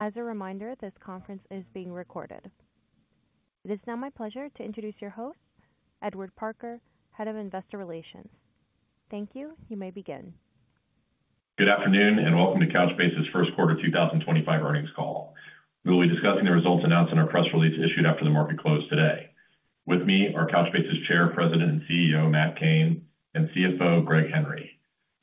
As a reminder, this conference is being recorded. It is now my pleasure to introduce your host, Edward Parker, Head of Investor Relations. Thank you. You may begin. Good afternoon, and welcome to Couchbase's first quarter 2025 earnings call. We will be discussing the results announced in our press release issued after the market closed today. With me are Couchbase's Chair, President, and CEO, Matt Cain, and CFO, Greg Henry.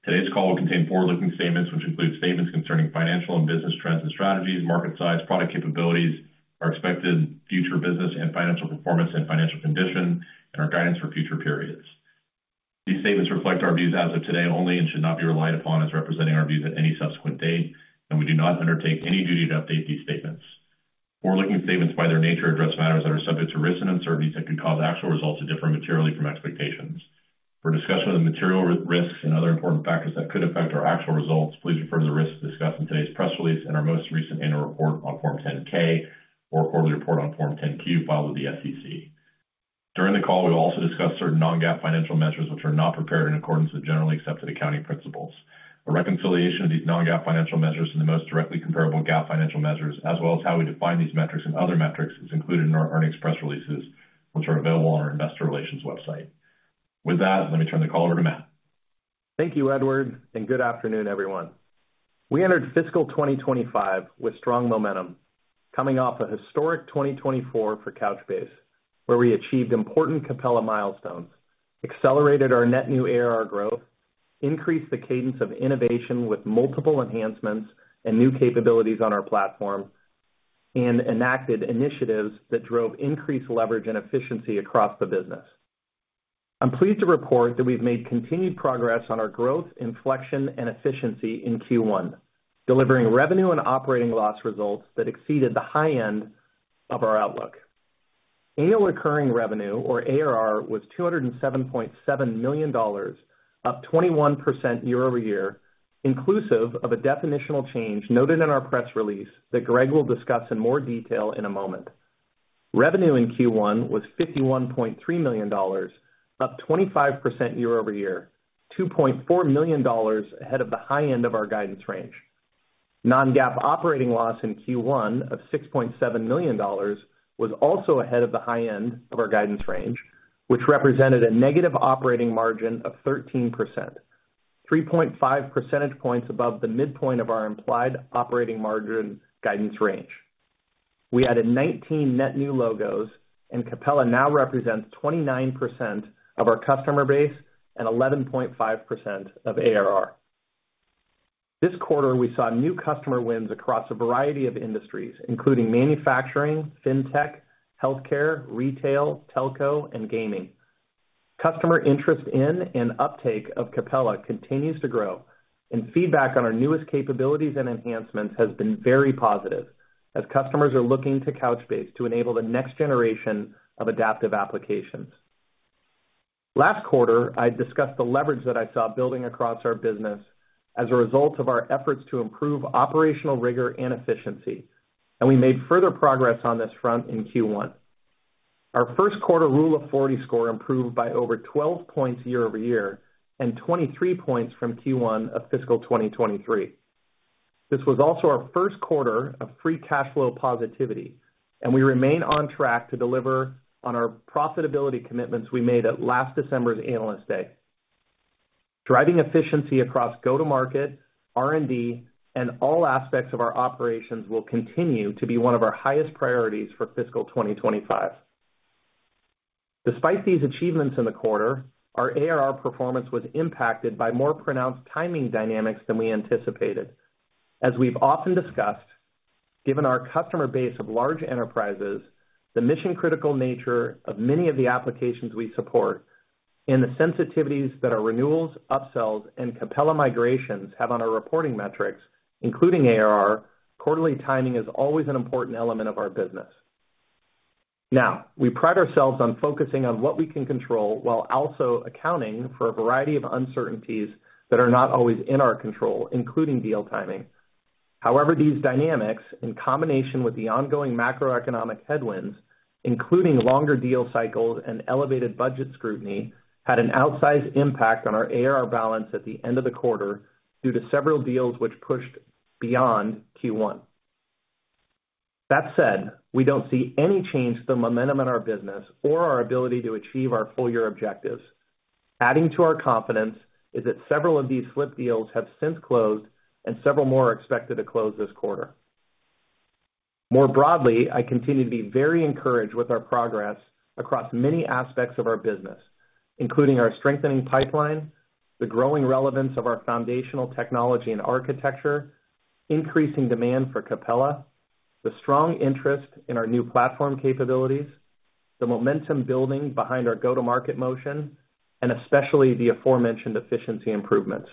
Today's call will contain forward-looking statements, which include statements concerning financial and business trends and strategies, market size, product capabilities, our expected future business and financial performance and financial condition, and our guidance for future periods. These statements reflect our views as of today only and should not be relied upon as representing our views at any subsequent date, and we do not undertake any duty to update these statements. Forward-looking statements, by their nature, address matters that are subject to risk and uncertainties that could cause actual results to differ materially from expectations. For a discussion of the material risks and other important factors that could affect our actual results, please refer to the risks discussed in today's press release and our most recent annual report on Form 10-K or quarterly report on Form 10-Q filed with the SEC. During the call, we'll also discuss certain non-GAAP financial measures, which are not prepared in accordance with generally accepted accounting principles. A reconciliation of these non-GAAP financial measures and the most directly comparable GAAP financial measures, as well as how we define these metrics and other metrics, is included in our earnings press releases, which are available on our investor relations website. With that, let me turn the call over to Matt. Thank you, Edward, and good afternoon, everyone. We entered fiscal 2025 with strong momentum, coming off a historic 2024 for Couchbase, where we achieved important Capella milestones, accelerated our net new ARR growth, increased the cadence of innovation with multiple enhancements and new capabilities on our platform, and enacted initiatives that drove increased leverage and efficiency across the business. I'm pleased to report that we've made continued progress on our growth, inflection, and efficiency in Q1, delivering revenue and operating loss results that exceeded the high end of our outlook. Annual recurring revenue, or ARR, was $207.7 million, up 21% year-over-year, inclusive of a definitional change noted in our press release that Greg will discuss in more detail in a moment. Revenue in Q1 was $51.3 million, up 25% year-over-year, $2.4 million ahead of the high end of our guidance range. Non-GAAP operating loss in Q1 of $6.7 million was also ahead of the high end of our guidance range, which represented a negative operating margin of 13%, 3.5 percentage points above the midpoint of our implied operating margin guidance range. We added 19 net new logos, and Capella now represents 29% of our customer base and 11.5% of ARR. This quarter, we saw new customer wins across a variety of industries, including manufacturing, fintech, healthcare, retail, telco, and gaming. Customer interest in and uptake of Capella continues to grow, and feedback on our newest capabilities and enhancements has been very positive, as customers are looking to Couchbase to enable the next generation of adaptive applications. Last quarter, I discussed the leverage that I saw building across our business as a result of our efforts to improve operational rigor and efficiency, and we made further progress on this front in Q1. Our first quarter Rule of 40 score improved by over 12 points year-over-year and 23 points from Q1 of fiscal 2023. This was also our first quarter of free cash flow positivity, and we remain on track to deliver on our profitability commitments we made at last December's Analyst Day. Driving efficiency across go-to-market, R&D, and all aspects of our operations will continue to be one of our highest priorities for fiscal 2025. Despite these achievements in the quarter, our ARR performance was impacted by more pronounced timing dynamics than we anticipated. As we've often discussed, given our customer base of large enterprises, the mission-critical nature of many of the applications we support, and the sensitivities that our renewals, upsells, and Capella migrations have on our reporting metrics, including ARR, quarterly timing is always an important element of our business. Now, we pride ourselves on focusing on what we can control, while also accounting for a variety of uncertainties that are not always in our control, including deal timing. However, these dynamics, in combination with the ongoing macroeconomic headwinds, including longer deal cycles and elevated budget scrutiny, had an outsized impact on our ARR balance at the end of the quarter due to several deals which pushed beyond Q1. That said, we don't see any change to the momentum in our business or our ability to achieve our full-year objectives. Adding to our confidence is that several of these slipped deals have since closed, and several more are expected to close this quarter. More broadly, I continue to be very encouraged with our progress across many aspects of our business, including our strengthening pipeline, the growing relevance of our foundational technology and architecture, increasing demand for Capella, the strong interest in our new platform capabilities, the momentum building behind our go-to-market motion, and especially the aforementioned efficiency improvements.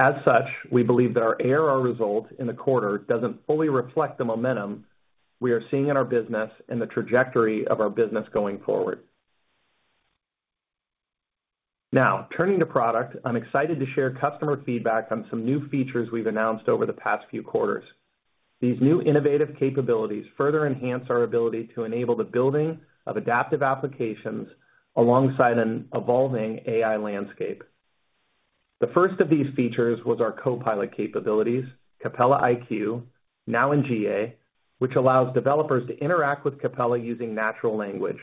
As such, we believe that our ARR result in the quarter doesn't fully reflect the momentum we are seeing in our business and the trajectory of our business going forward. Now, turning to product, I'm excited to share customer feedback on some new features we've announced over the past few quarters. These new innovative capabilities further enhance our ability to enable the building of adaptive applications alongside an evolving AI landscape. The first of these features was our Copilot capabilities, Capella iQ, now in GA, which allows developers to interact with Capella using natural language.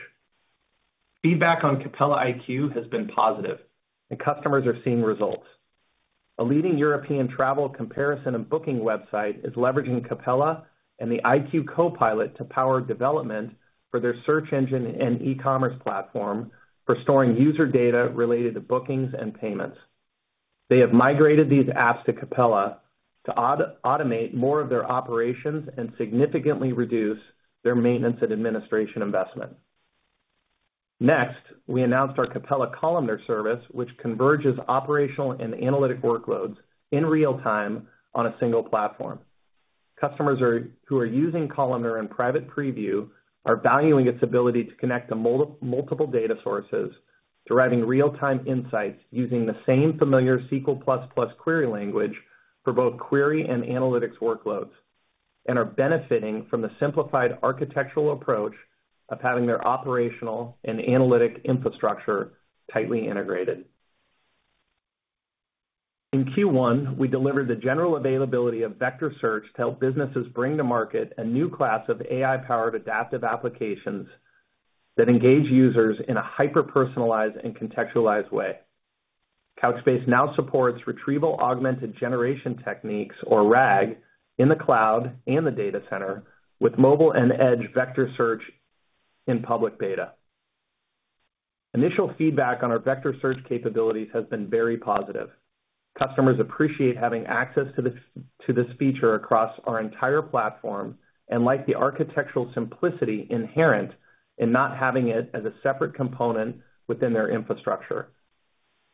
Feedback on Capella iQ has been positive, and customers are seeing results. A leading European travel comparison and booking website is leveraging Capella and the iQ Copilot to power development for their search engine and e-commerce platform for storing user data related to bookings and payments. They have migrated these apps to Capella to automate more of their operations and significantly reduce their maintenance and administration investment. Next, we announced our Capella Columnar Service, which converges operational and analytic workloads in real time on a single platform. Customers who are using Columnar in private preview are valuing its ability to connect to multiple data sources, deriving real-time insights using the same familiar SQL++ query language for both query and analytics workloads, and are benefiting from the simplified architectural approach of having their operational and analytic infrastructure tightly integrated. In Q1, we delivered the general availability of Vector Search to help businesses bring to market a new class of AI-powered adaptive applications that engage users in a hyper-personalized and contextualized way. Couchbase now supports retrieval-augmented generation techniques, or RAG, in the cloud and the data center, with mobile and edge vector search in public beta. Initial feedback on our vector search capabilities has been very positive. Customers appreciate having access to this feature across our entire platform, and like the architectural simplicity inherent in not having it as a separate component within their infrastructure.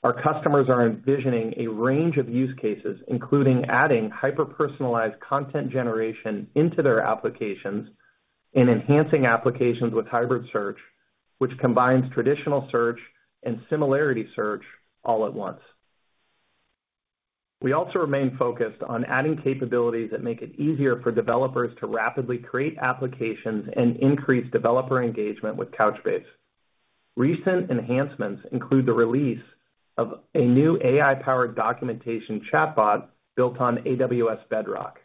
Our customers are envisioning a range of use cases, including adding hyper-personalized content generation into their applications and enhancing applications with hybrid search, which combines traditional search and similarity search all at once. We also remain focused on adding capabilities that make it easier for developers to rapidly create applications and increase developer engagement with Couchbase. Recent enhancements include the release of a new AI-powered documentation chatbot built on AWS Bedrock,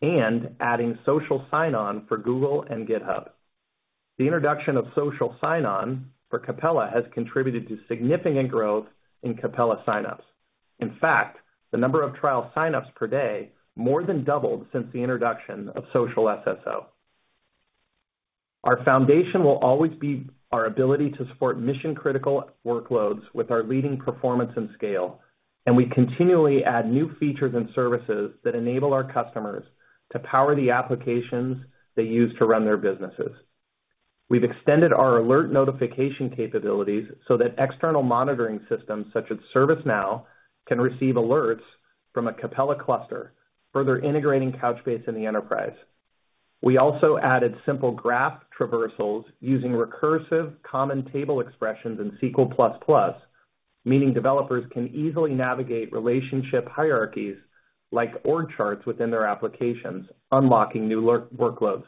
and adding social sign-on for Google and GitHub. The introduction of social sign-on for Capella has contributed to significant growth in Capella sign-ups. In fact, the number of trial sign-ups per day more than doubled since the introduction of social SSO. Our foundation will always be our ability to support mission-critical workloads with our leading performance and scale, and we continually add new features and services that enable our customers to power the applications they use to run their businesses. We've extended our alert notification capabilities so that external monitoring systems, such as ServiceNow, can receive alerts from a Capella cluster, further integrating Couchbase in the enterprise. We also added simple graph traversals using recursive common table expressions in SQL++, meaning developers can easily navigate relationship hierarchies like org charts within their applications, unlocking new workloads.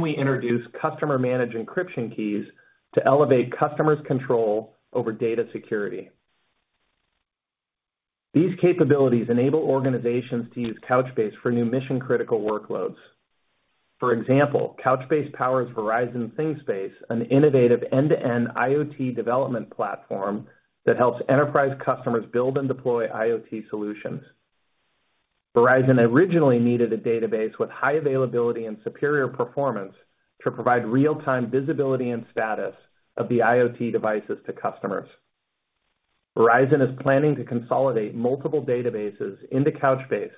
We introduced customer-managed encryption keys to elevate customers' control over data security. These capabilities enable organizations to use Couchbase for new mission-critical workloads. For example, Couchbase powers Verizon ThingSpace, an innovative end-to-end IoT development platform that helps enterprise customers build and deploy IoT solutions. Verizon originally needed a database with high availability and superior performance to provide real-time visibility and status of the IoT devices to customers. Verizon is planning to consolidate multiple databases into Couchbase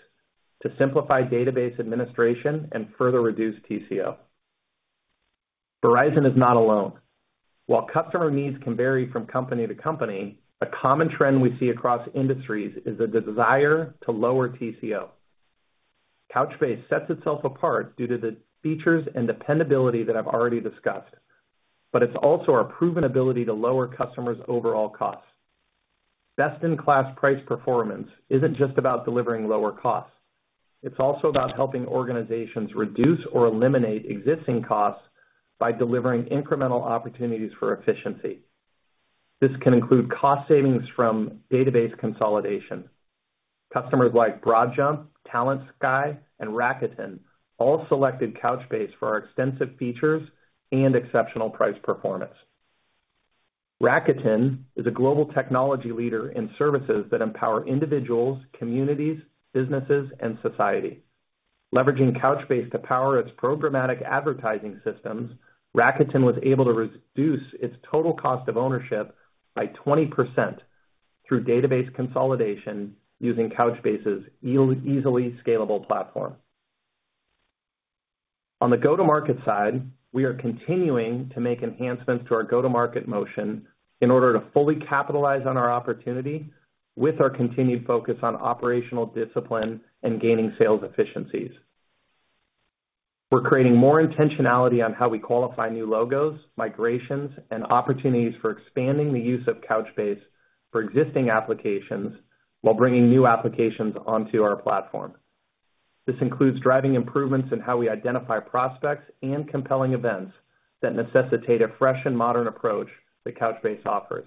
to simplify database administration and further reduce TCO. Verizon is not alone. While customer needs can vary from company to company, a common trend we see across industries is the desire to lower TCO. Couchbase sets itself apart due to the features and dependability that I've already discussed, but it's also our proven ability to lower customers' overall costs. Best-in-class price performance isn't just about delivering lower costs. It's also about helping organizations reduce or eliminate existing costs by delivering incremental opportunities for efficiency. This can include cost savings from database consolidation. Customers like BroadJump, Talentsky, and Rakuten all selected Couchbase for our extensive features and exceptional price performance. Rakuten is a global technology leader in services that empower individuals, communities, businesses, and society. Leveraging Couchbase to power its programmatic advertising systems, Rakuten was able to reduce its total cost of ownership by 20% through database consolidation using Couchbase's easily scalable platform. On the go-to-market side, we are continuing to make enhancements to our go-to-market motion in order to fully capitalize on our opportunity with our continued focus on operational discipline and gaining sales efficiencies. We're creating more intentionality on how we qualify new logos, migrations, and opportunities for expanding the use of Couchbase for existing applications while bringing new applications onto our platform. This includes driving improvements in how we identify prospects and compelling events that necessitate a fresh and modern approach that Couchbase offers.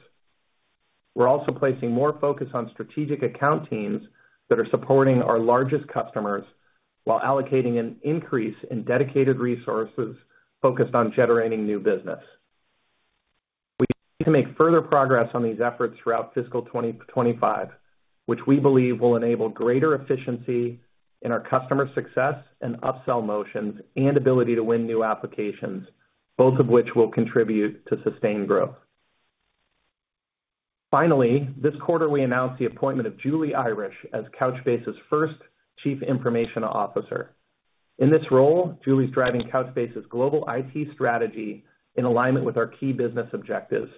We're also placing more focus on strategic account teams that are supporting our largest customers, while allocating an increase in dedicated resources focused on generating new business. We aim to make further progress on these efforts throughout fiscal 2025, which we believe will enable greater efficiency in our customer success and upsell motions and ability to win new applications, both of which will contribute to sustained growth. Finally, this quarter, we announced the appointment of Julie Irish as Couchbase's first Chief Information Officer. In this role, Julie's driving Couchbase's global IT strategy in alignment with our key business objectives.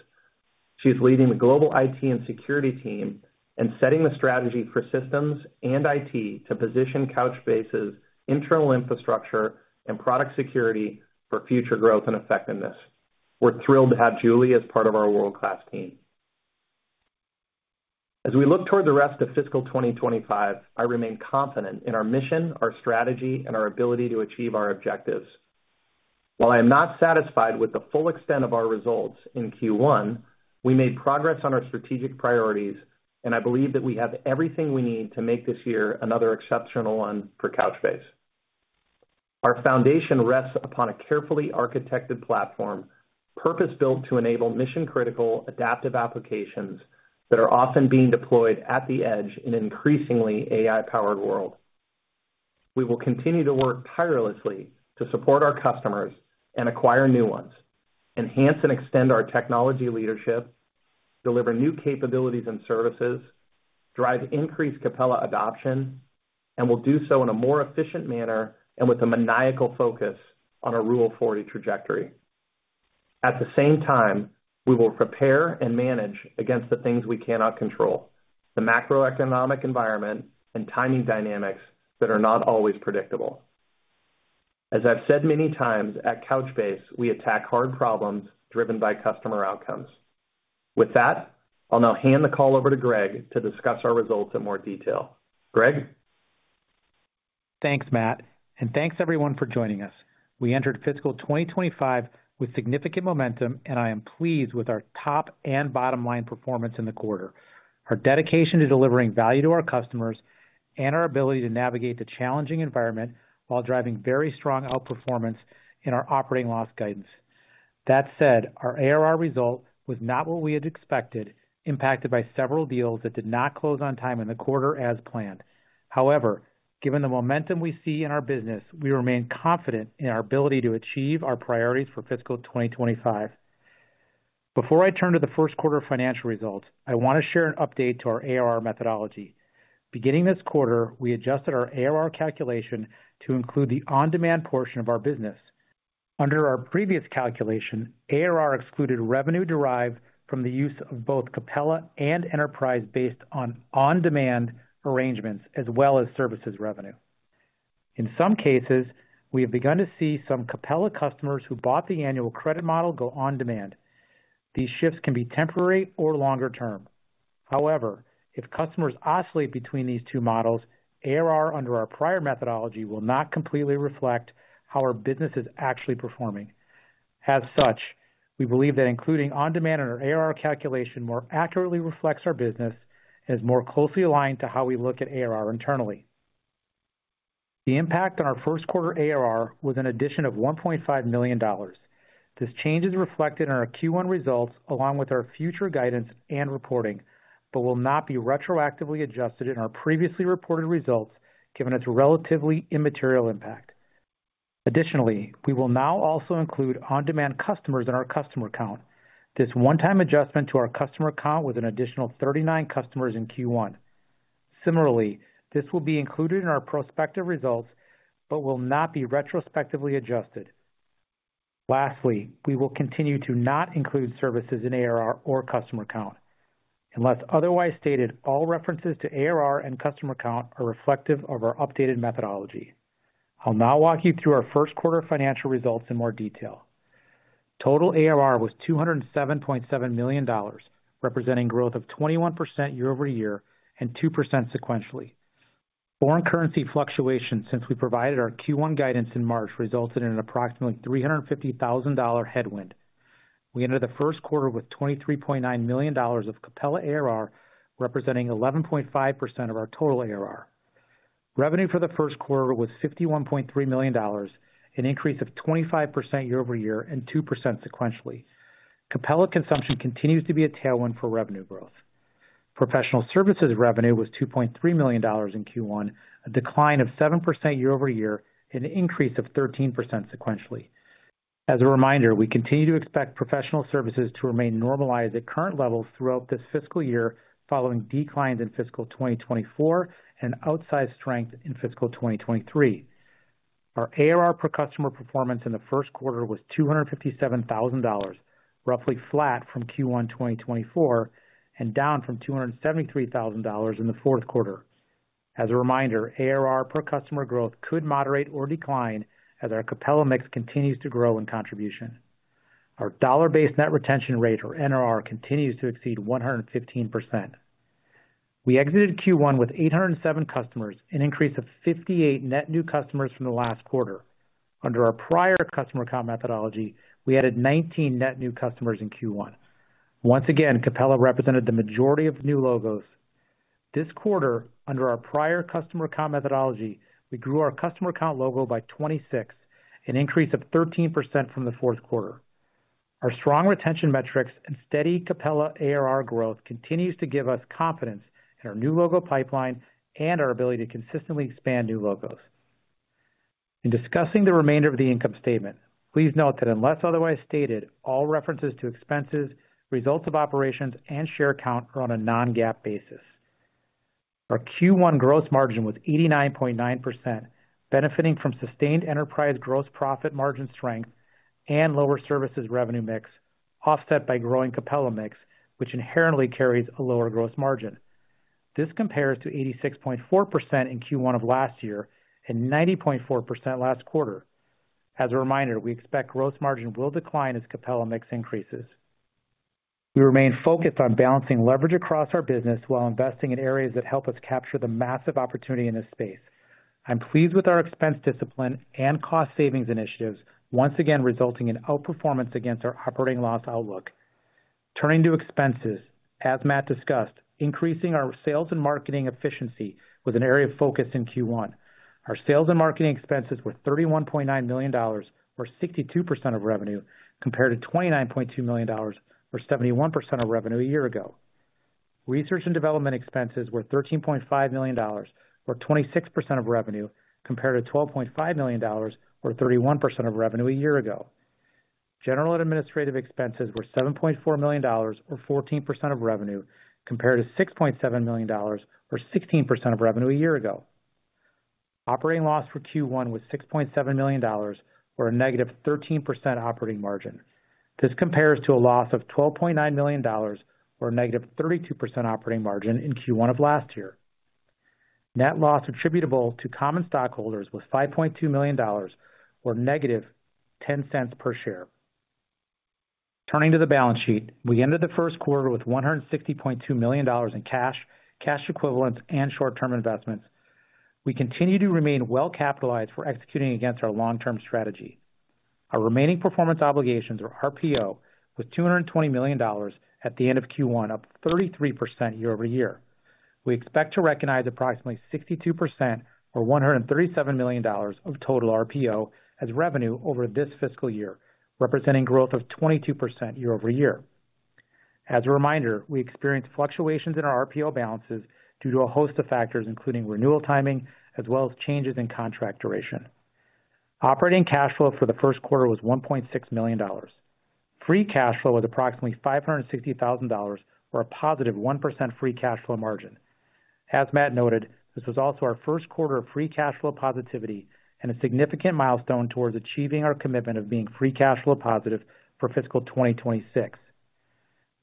She's leading the global IT and security team and setting the strategy for systems and IT to position Couchbase's internal infrastructure and product security for future growth and effectiveness. We're thrilled to have Julie as part of our world-class team. As we look toward the rest of fiscal 2025, I remain confident in our mission, our strategy, and our ability to achieve our objectives. While I am not satisfied with the full extent of our results in Q1, we made progress on our strategic priorities, and I believe that we have everything we need to make this year another exceptional one for Couchbase. Our foundation rests upon a carefully architected platform, purpose-built to enable mission-critical, adaptive applications that are often being deployed at the edge in an increasingly AI-powered world. We will continue to work tirelessly to support our customers and acquire new ones, enhance and extend our technology leadership, deliver new capabilities and services, drive increased Capella adoption, and will do so in a more efficient manner and with a maniacal focus on our Rule of 40 trajectory. At the same time, we will prepare and manage against the things we cannot control, the macroeconomic environment and timing dynamics that are not always predictable. As I've said many times, at Couchbase, we attack hard problems driven by customer outcomes. With that, I'll now hand the call over to Greg to discuss our results in more detail. Greg? Thanks, Matt, and thanks everyone for joining us. We entered fiscal 2025 with significant momentum, and I am pleased with our top and bottom line performance in the quarter. Our dedication to delivering value to our customers and our ability to navigate the challenging environment while driving very strong outperformance in our operating loss guidance. That said, our ARR result was not what we had expected, impacted by several deals that did not close on time in the quarter as planned. However, given the momentum we see in our business, we remain confident in our ability to achieve our priorities for fiscal 2025. Before I turn to the first quarter financial results, I want to share an update to our ARR methodology. Beginning this quarter, we adjusted our ARR calculation to include the on-demand portion of our business. Under our previous calculation, ARR excluded revenue derived from the use of both Capella and Enterprise based on on-demand arrangements as well as services revenue. In some cases, we have begun to see some Capella customers who bought the annual credit model go on demand. These shifts can be temporary or longer term. However, if customers oscillate between these two models, ARR, under our prior methodology, will not completely reflect how our business is actually performing. As such, we believe that including on-demand in our ARR calculation more accurately reflects our business and is more closely aligned to how we look at ARR internally. The impact on our first quarter ARR was an addition of $1.5 million. This change is reflected in our Q1 results, along with our future guidance and reporting, but will not be retroactively adjusted in our previously reported results, given its relatively immaterial impact. Additionally, we will now also include on-demand customers in our customer count. This one-time adjustment to our customer count was an additional 39 customers in Q1. Similarly, this will be included in our prospective results, but will not be retrospectively adjusted. Lastly, we will continue to not include services in ARR or customer count. Unless otherwise stated, all references to ARR and customer count are reflective of our updated methodology. I'll now walk you through our first quarter financial results in more detail. Total ARR was $207.7 million, representing growth of 21% year-over-year and 2% sequentially. Foreign currency fluctuations since we provided our Q1 guidance in March resulted in an approximately $350,000 headwind. We entered the first quarter with $23.9 million of Capella ARR, representing 11.5% of our total ARR. Revenue for the first quarter was $51.3 million, an increase of 25% year-over-year and 2% sequentially. Capella consumption continues to be a tailwind for revenue growth. Professional services revenue was $2.3 million in Q1, a decline of 7% year-over-year and an increase of 13% sequentially. As a reminder, we continue to expect professional services to remain normalized at current levels throughout this fiscal year, following declines in fiscal 2024 and outsized strength in fiscal 2023. Our ARR per customer performance in the first quarter was $257,000, roughly flat from Q1 2024 and down from $273,000 in the fourth quarter. As a reminder, ARR per customer growth could moderate or decline as Capella may continue to grow in contribution. Our dollar-based net retention rate, or NRR, continues to exceed 115%. We exited Q1 with 807 customers, an increase of 58 net new customers from the last quarter. Under our prior customer count methodology, we added 19 net new customers in Q1. Once again, Capella represented the majority of new logos. This quarter, under our prior customer count methodology, we grew our logo count by 26, an increase of 13% from the fourth quarter. Our strong retention metrics and steady Capella ARR growth continues to give us confidence in our new logo pipeline and our ability to consistently expand new logos. In discussing the remainder of the income statement, please note that unless otherwise stated, all references to expenses, results of operations, and share count are on a non-GAAP basis. Our Q1 gross margin was 89.9%, benefiting from sustained enterprise gross profit margin strength and lower services revenue mix, offset by growing Capella mix, which inherently carries a lower gross margin. This compares to 86.4% in Q1 of last year and 90.4% last quarter. As a reminder, we expect gross margin will decline as Capella mix increases. We remain focused on balancing leverage across our business while investing in areas that help us capture the massive opportunity in this space. I'm pleased with our expense discipline and cost savings initiatives, once again, resulting in outperformance against our operating loss outlook. Turning to expenses, as Matt discussed, increasing our sales and marketing efficiency was an area of focus in Q1. Our sales and marketing expenses were $31.9 million, or 62% of revenue, compared to $29.2 million, or 71% of revenue a year ago. Research and development expenses were $13.5 million, or 26% of revenue, compared to $12.5 million, or 31% of revenue a year ago. General and administrative expenses were $7.4 million, or 14% of revenue, compared to $6.7 million, or 16% of revenue a year ago. Operating loss for Q1 was $6.7 million, or a -13% operating margin. This compares to a loss of $12.9 million, or a -32% operating margin in Q1 of last year. Net loss attributable to common stockholders was $5.2 million, or -$0.10 per share. Turning to the balance sheet, we ended the first quarter with $160.2 million in cash, cash equivalents, and short-term investments. We continue to remain well capitalized for executing against our long-term strategy. Our remaining performance obligations, or RPO, was $220 million at the end of Q1, up 33% year-over-year. We expect to recognize approximately 62%, or $137 million of total RPO as revenue over this fiscal year, representing growth of 22% year-over-year. As a reminder, we experienced fluctuations in our RPO balances due to a host of factors, including renewal timing, as well as changes in contract duration. Operating cash flow for the first quarter was $1.6 million. Free cash flow was approximately $560,000, or a +1% free cash flow margin. As Matt noted, this was also our first quarter of free cash flow positivity and a significant milestone towards achieving our commitment of being free cash flow positive for fiscal 2026.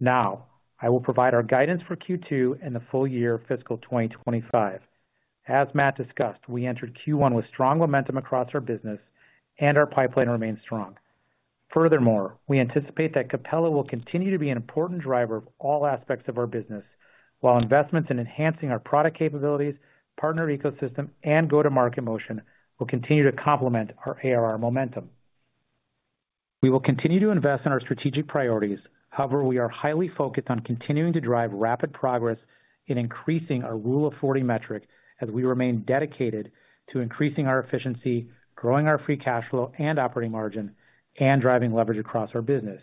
Now, I will provide our guidance for Q2 and the full year fiscal 2025. As Matt discussed, we entered Q1 with strong momentum across our business, and our pipeline remains strong. Furthermore, we anticipate that Capella will continue to be an important driver of all aspects of our business, while investments in enhancing our product capabilities, partner ecosystem, and go-to-market motion will continue to complement our ARR momentum. We will continue to invest in our strategic priorities. However, we are highly focused on continuing to drive rapid progress in increasing our Rule of 40 metric, as we remain dedicated to increasing our efficiency, growing our free cash flow and operating margin, and driving leverage across our business.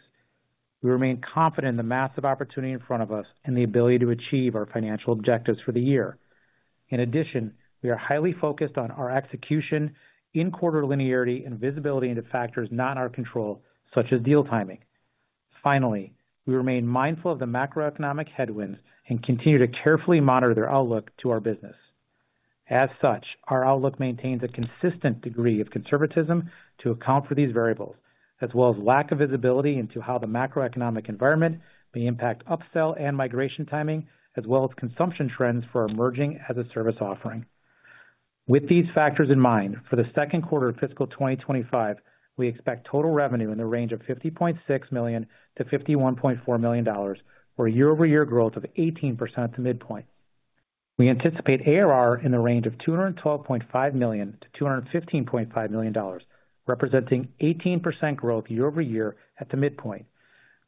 We remain confident in the massive opportunity in front of us and the ability to achieve our financial objectives for the year. In addition, we are highly focused on our execution in quarter linearity and visibility into factors not in our control, such as deal timing. Finally, we remain mindful of the macroeconomic headwinds and continue to carefully monitor their outlook to our business. As such, our outlook maintains a consistent degree of conservatism to account for these variables, as well as lack of visibility into how the macroeconomic environment may impact upsell and migration timing, as well as consumption trends for our emerging as-a-service offering. With these factors in mind, for the second quarter of fiscal 2025, we expect total revenue in the range of $50.6 million-$51.4 million, or a year-over-year growth of 18% to midpoint. We anticipate ARR in the range of $212.5 million-$215.5 million, representing 18% growth year-over-year at the midpoint.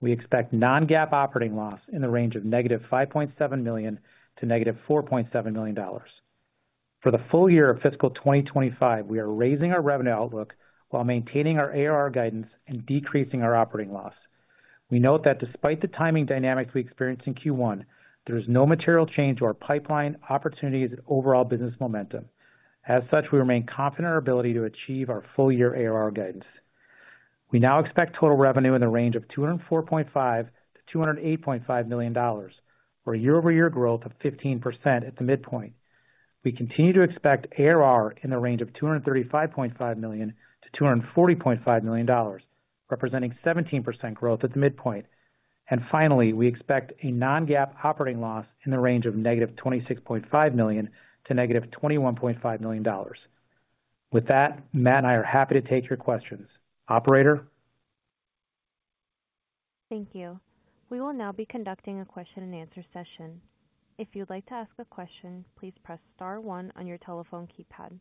We expect non-GAAP operating loss in the range of -$5.7 million to -$4.7 million. For the full year of fiscal 2025, we are raising our revenue outlook while maintaining our ARR guidance and decreasing our operating loss. We note that despite the timing dynamics we experienced in Q1, there is no material change to our pipeline, opportunities, and overall business momentum. As such, we remain confident in our ability to achieve our full-year ARR guidance. We now expect total revenue in the range of $204.5 million-$208.5 million, or a year-over-year growth of 15% at the midpoint. We continue to expect ARR in the range of $235.5 million-$240.5 million, representing 17% growth at the midpoint. And finally, we expect a non-GAAP operating loss in the range of -$26.5 million to -$21.5 million. With that, Matt and I are happy to take your questions. Operator? Thank you. We will now be conducting a question-and-answer session. If you'd like to ask a question, please press star one on your telephone keypad.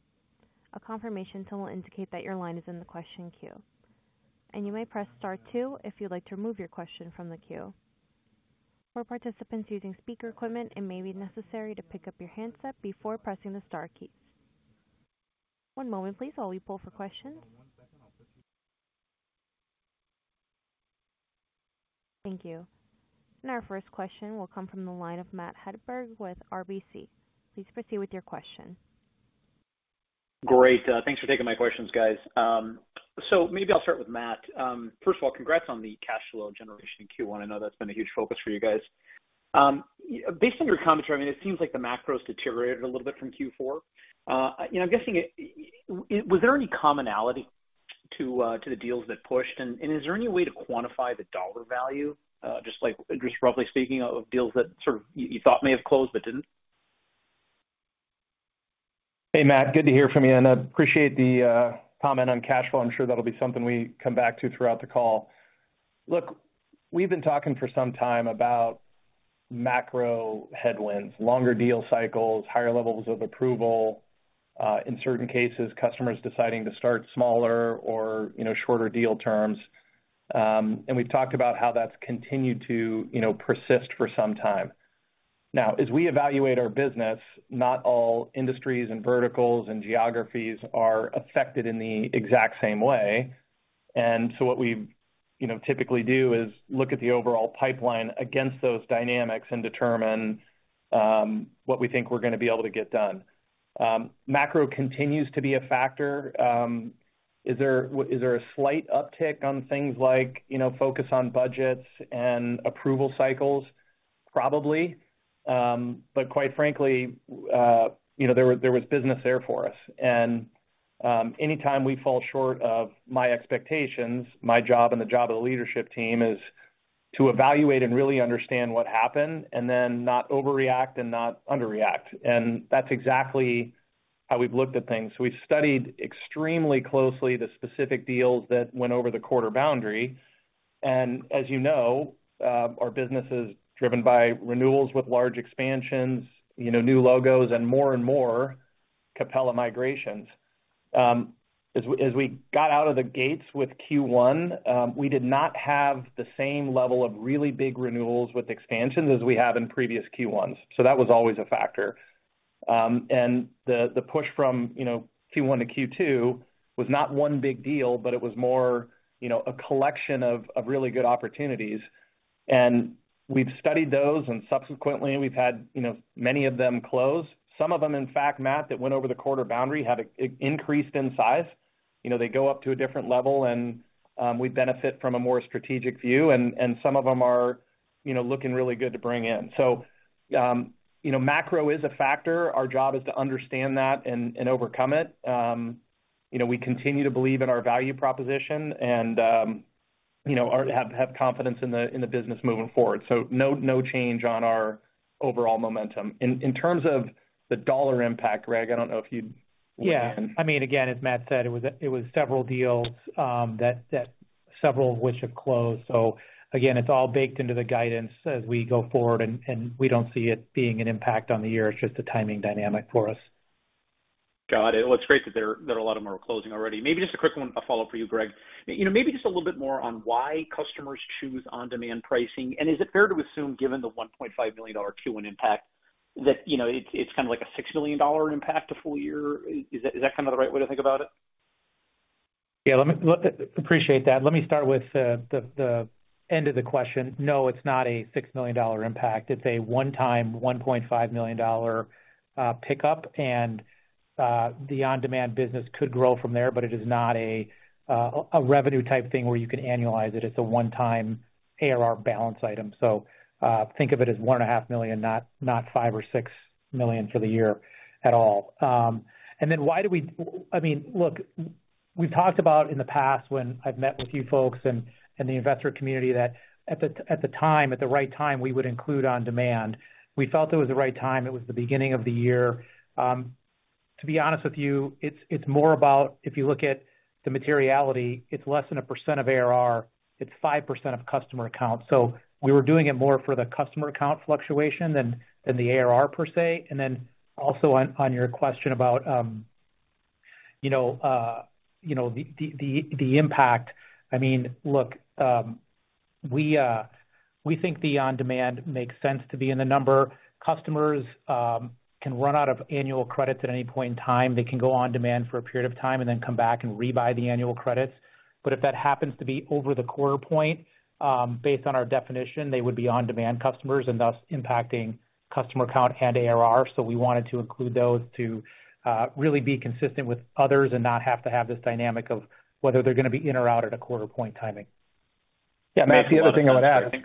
A confirmation tone will indicate that your line is in the question queue, and you may press star two if you'd like to remove your question from the queue. For participants using speaker equipment, it may be necessary to pick up your handset before pressing the star key. One moment, please, while we pull for questions. Thank you. And our first question will come from the line of Matt Hedberg with RBC. Please proceed with your question. Great. Thanks for taking my questions, guys. So maybe I'll start with Matt. First of all, congrats on the cash flow generation in Q1. I know that's been a huge focus for you guys. Based on your commentary, I mean, it seems like the macro's deteriorated a little bit from Q4. I'm guessing... Was there any commonality to the deals that pushed? And is there any way to quantify the dollar value, just like, just roughly speaking, of deals that sort of you thought may have closed but didn't? Hey, Matt, good to hear from you, and I appreciate the comment on cash flow. I'm sure that'll be something we come back to throughout the call. Look, we've been talking for some time about macro headwinds, longer deal cycles, higher levels of approval, in certain cases, customers deciding to start smaller or, you know, shorter deal terms. And we've talked about how that's continued to, you know, persist for some time. Now, as we evaluate our business, not all industries and verticals and geographies are affected in the exact same way. And so what we, you know, typically do is look at the overall pipeline against those dynamics and determine what we think we're going to be able to get done. Macro continues to be a factor. Is there a slight uptick on things like, you know, focus on budgets and approval cycles? Probably, but quite frankly, you know, there was business there for us. Anytime we fall short of my expectations, my job and the job of the leadership team is to evaluate and really understand what happened, and then not overreact and not under-react. That's exactly how we've looked at things. We've studied extremely closely the specific deals that went over the quarter boundary, and as you know, our business is driven by renewals with large expansions, you know, new logos and more and more Capella migrations. As we got out of the gates with Q1, we did not have the same level of really big renewals with expansions as we have in previous Q1s. So that was always a factor. The push from, you know, Q1 to Q2 was not one big deal, but it was more, you know, a collection of really good opportunities. We've studied those, and subsequently, we've had, you know, many of them close. Some of them, in fact, Matt, that went over the quarter boundary, have increased in size. You know, they go up to a different level and, we benefit from a more strategic view, and some of them are, you know, looking really good to bring in. So, you know, macro is a factor. Our job is to understand that and overcome it. You know, we continue to believe in our value proposition and, you know, have confidence in the business moving forward. So no change on our overall momentum. In terms of the dollar impact, Greg, I don't know if you'd- Yeah. I mean, again, as Matt said, it was several deals that several of which have closed. So again, it's all baked into the guidance as we go forward, and we don't see it being an impact on the year. It's just a timing dynamic for us. Got it. Well, it's great that there are a lot more closing already. Maybe just a quick one, a follow-up for you, Greg. You know, maybe just a little bit more on why customers choose on-demand pricing, and is it fair to assume, given the $1.5 million Q1 impact, that, you know, it's kind of like a $6 million impact a full year? Is that kind of the right way to think about it? Yeah, let me appreciate that. Let me start with the end of the question. No, it's not a $6 million impact. It's a one-time, $1.5 million pickup, and the on-demand business could grow from there, but it is not a revenue type thing where you can annualize it. It's a one-time ARR balance item. So, think of it as $1.5 million, not $5 million or $6 million for the year at all. And then why do we... I mean, look, we've talked about in the past when I've met with you folks and the investor community, that at the right time, we would include on demand. We felt it was the right time. It was the beginning of the year. To be honest with you, it's more about if you look at the materiality, it's less than 1% of ARR. It's 5% of customer accounts. So we were doing it more for the customer account fluctuation than the ARR per se. And then also on your question about, you know, the impact. I mean, look, we think the on-demand makes sense to be in the number. Customers can run out of annual credits at any point in time. They can go on demand for a period of time and then come back and rebuy the annual credits. But if that happens to be over the quarter point, based on our definition, they would be on-demand customers and thus impacting customer count and ARR. So we wanted to include those to really be consistent with others and not have to have this dynamic of whether they're going to be in or out at a quarter point timing. Yeah, Matt, the other thing I would add,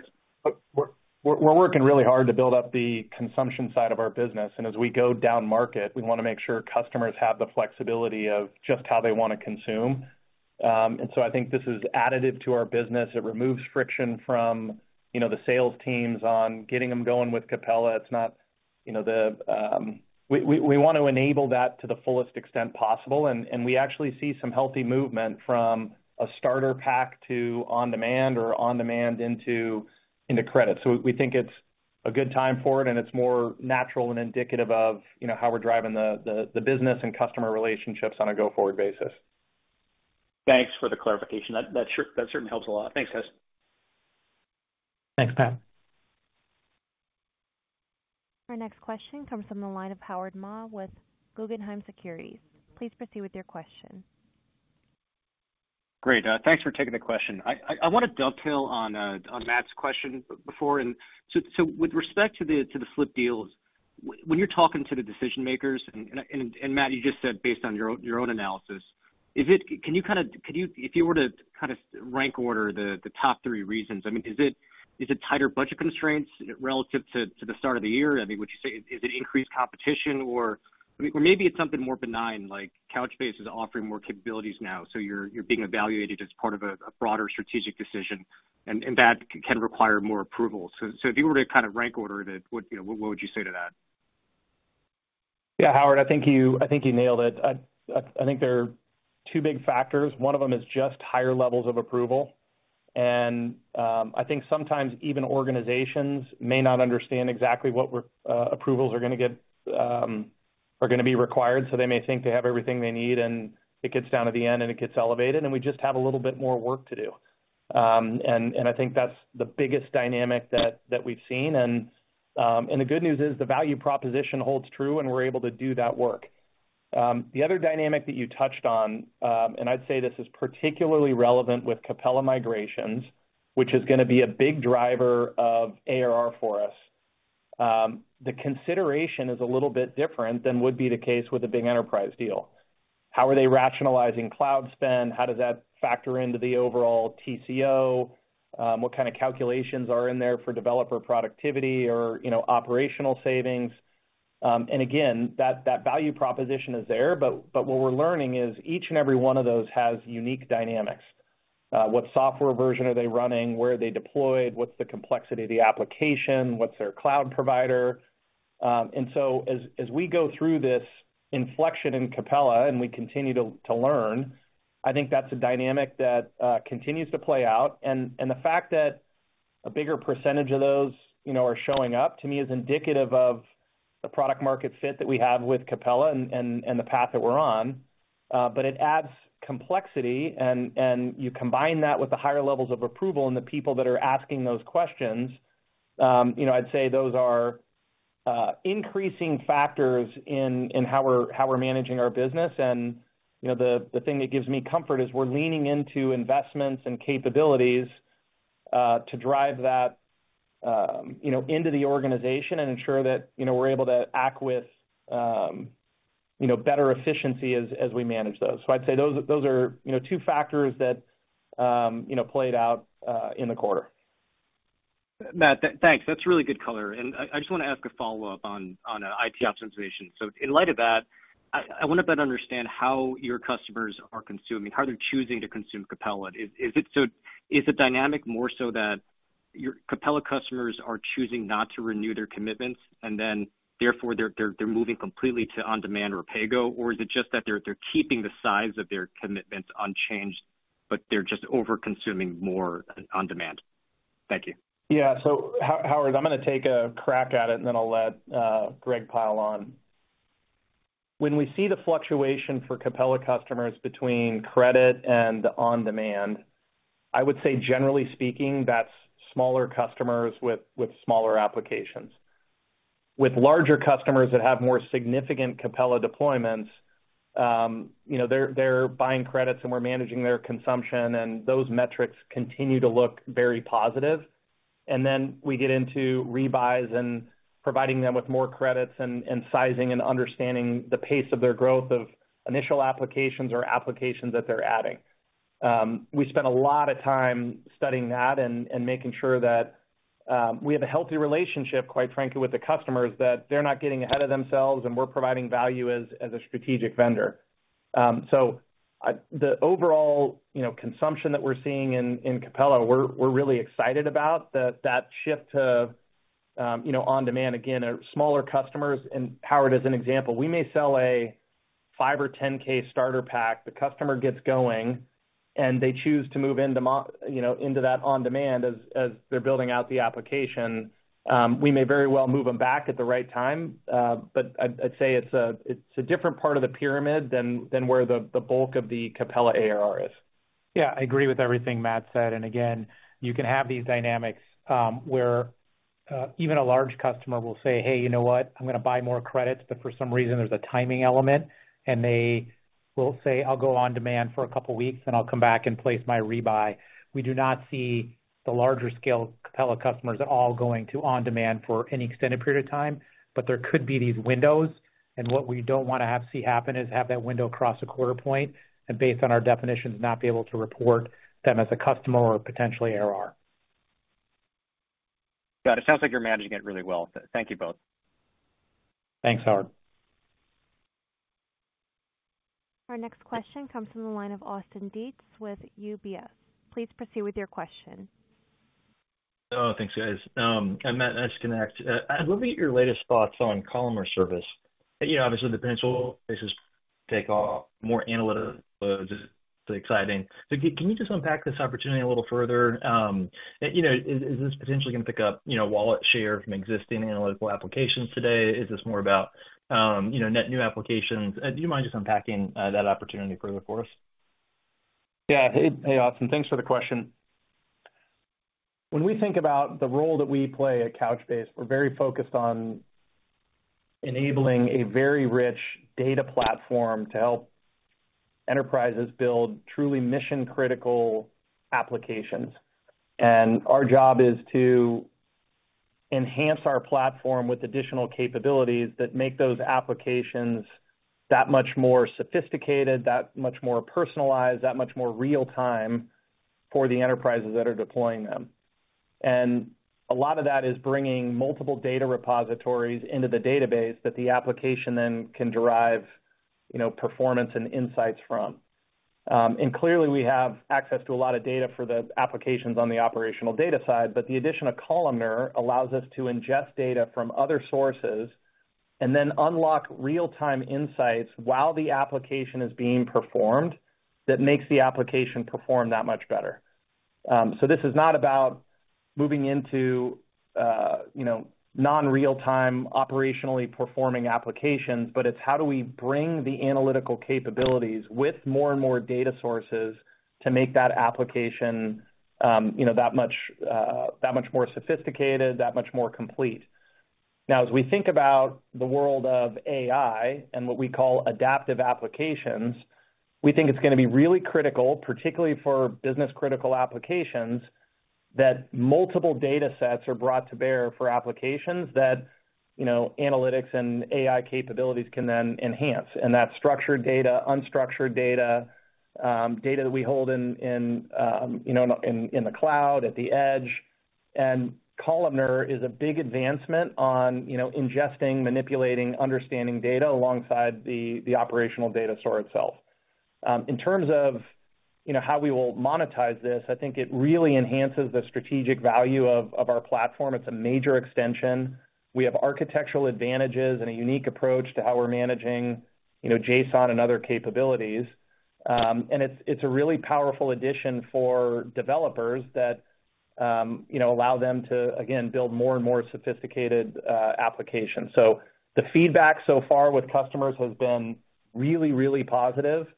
we're working really hard to build up the consumption side of our business, and as we go down market, we want to make sure customers have the flexibility of just how they want to consume. And so I think this is additive to our business. It removes friction from, you know, the sales teams on getting them going with Capella. You know, we want to enable that to the fullest extent possible, and we actually see some healthy movement from a starter pack to on-demand or on-demand into credit. So we think it's a good time for it, and it's more natural and indicative of, you know, how we're driving the business and customer relationships on a go-forward basis. Thanks for the clarification. That certainly helps a lot. Thanks, guys. Thanks, Matt. Our next question comes from the line of Howard Ma with Guggenheim Securities. Please proceed with your question. Great, thanks for taking the question. I want to dovetail on Matt's question before. So with respect to the slip deals, when you're talking to the decision makers, and Matt, you just said, based on your own analysis, is it—can you kind of—could you—if you were to kind of rank order the top three reasons, I mean, is it tighter budget constraints relative to the start of the year? I mean, would you say, is it increased competition or, I mean, or maybe it's something more benign, like Couchbase is offering more capabilities now, so you're being evaluated as part of a broader strategic decision, and that can require more approval. So, if you were to kind of rank order it, what, you know, what would you say to that? Yeah, Howard, I think you nailed it. I think there are two big factors. One of them is just higher levels of approval. And I think sometimes even organizations may not understand exactly what approvals are going to be required, so they may think they have everything they need, and it gets down to the end, and it gets elevated, and we just have a little bit more work to do. And I think that's the biggest dynamic that we've seen. And the good news is, the value proposition holds true, and we're able to do that work. The other dynamic that you touched on, and I'd say this is particularly relevant with Capella migrations, which is going to be a big driver of ARR for us. The consideration is a little bit different than would be the case with a big enterprise deal. How are they rationalizing cloud spend? How does that factor into the overall TCO? What kind of calculations are in there for developer productivity or, you know, operational savings? And again, that, that value proposition is there, but, but what we're learning is, each and every one of those has unique dynamics. What software version are they running? Where are they deployed? What's the complexity of the application? What's their cloud provider? And so as, as we go through this inflection in Capella and we continue to, to learn, I think that's a dynamic that continues to play out. And the fact that a bigger percentage of those, you know, are showing up, to me, is indicative of the product-market fit that we have with Capella and the path that we're on. But it adds complexity, and you combine that with the higher levels of approval and the people that are asking those questions, you know, I'd say those are increasing factors in how we're managing our business. And, you know, the thing that gives me comfort is we're leaning into investments and capabilities to drive that, you know, into the organization and ensure that, you know, we're able to act with, you know, better efficiency as we manage those. So I'd say those are, you know, two factors that, you know, played out in the quarter. Matt, thanks. That's really good color. And I just want to ask a follow-up on IT optimization. So in light of that, I want to better understand how your customers are consuming, how they're choosing to consume Capella. Is the dynamic more so that your Capella customers are choosing not to renew their commitments, and then therefore, they're moving completely to on-demand or PayGo? Or is it just that they're keeping the size of their commitments unchanged, but they're just overconsuming more on-demand? Thank you. Yeah. So Howard, I'm going to take a crack at it, and then I'll let Greg pile on. When we see the fluctuation for Capella customers between credit and on-demand, I would say, generally speaking, that's smaller customers with smaller applications. With larger customers that have more significant Capella deployments, you know, they're buying credits, and we're managing their consumption, and those metrics continue to look very positive. And then we get into rebuys and providing them with more credits and sizing and understanding the pace of their growth of initial applications or applications that they're adding. We spent a lot of time studying that and making sure that we have a healthy relationship, quite frankly, with the customers, that they're not getting ahead of themselves, and we're providing value as a strategic vendor. So the overall, you know, consumption that we're seeing in Capella, we're really excited about that shift to, you know, on-demand. Again, our smaller customers, and Howard, as an example, we may sell a $5K or $10K starter pack. The customer gets going, and they choose to move into you know, into that on-demand as they're building out the application. We may very well move them back at the right time, but I'd say it's a different part of the pyramid than where the bulk of the Capella ARR is. Yeah, I agree with everything Matt said, and again, you can have these dynamics, where even a large customer will say, "Hey, you know what? I'm going to buy more credits." But for some reason, there's a timing element, and they will say, "I'll go on demand for a couple of weeks, and I'll come back and place my rebuy." We do not see the larger scale Capella customers all going to on-demand for any extended period of time, but there could be these windows, and what we don't want to have—see happen is have that window cross a quarter point, and based on our definitions, not be able to report them as a customer or potentially ARR. Got it. Sounds like you're managing it really well. Thank you both. Thanks, Howard. Our next question comes from the line of Austin Dietz with UBS. Please proceed with your question. Oh, thanks, guys. Matt at Connect. I'd love to get your latest thoughts on Columnar service. You know, obviously, the potential basis take off more analytical, exciting. So can you just unpack this opportunity a little further? You know, is this potentially going to pick up, you know, wallet share from existing analytical applications today? Is this more about, you know, net new applications? Do you mind just unpacking that opportunity further for us? Yeah. Hey, Austin, thanks for the question. When we think about the role that we play at Couchbase, we're very focused on enabling a very rich data platform to help enterprises build truly mission-critical applications. Our job is to enhance our platform with additional capabilities that make those applications that much more sophisticated, that much more personalized, that much more real-time for the enterprises that are deploying them. A lot of that is bringing multiple data repositories into the database that the application then can derive, you know, performance and insights from. Clearly, we have access to a lot of data for the applications on the operational data side, but the addition of Columnar allows us to ingest data from other sources and then unlock real-time insights while the application is being performed. That makes the application perform that much better. So this is not about moving into, you know, non-real-time, operationally performing applications, but it's how do we bring the analytical capabilities with more and more data sources to make that application, you know, that much, that much more sophisticated, that much more complete. Now, as we think about the world of AI and what we call adaptive applications, we think it's going to be really critical, particularly for business-critical applications, that multiple datasets are brought to bear for applications that, you know, analytics and AI capabilities can then enhance, and that's structured data, unstructured data, data that we hold in, you know, in the cloud, at the edge. And Columnar is a big advancement on, you know, ingesting, manipulating, understanding data alongside the operational data store itself. In terms of, you know, how we will monetize this, I think it really enhances the strategic value of our platform. It's a major extension. We have architectural advantages and a unique approach to how we're managing, you know, JSON and other capabilities. And it's a really powerful addition for developers that, you know, allow them to, again, build more and more sophisticated applications. So the feedback so far with customers has been really, really positive.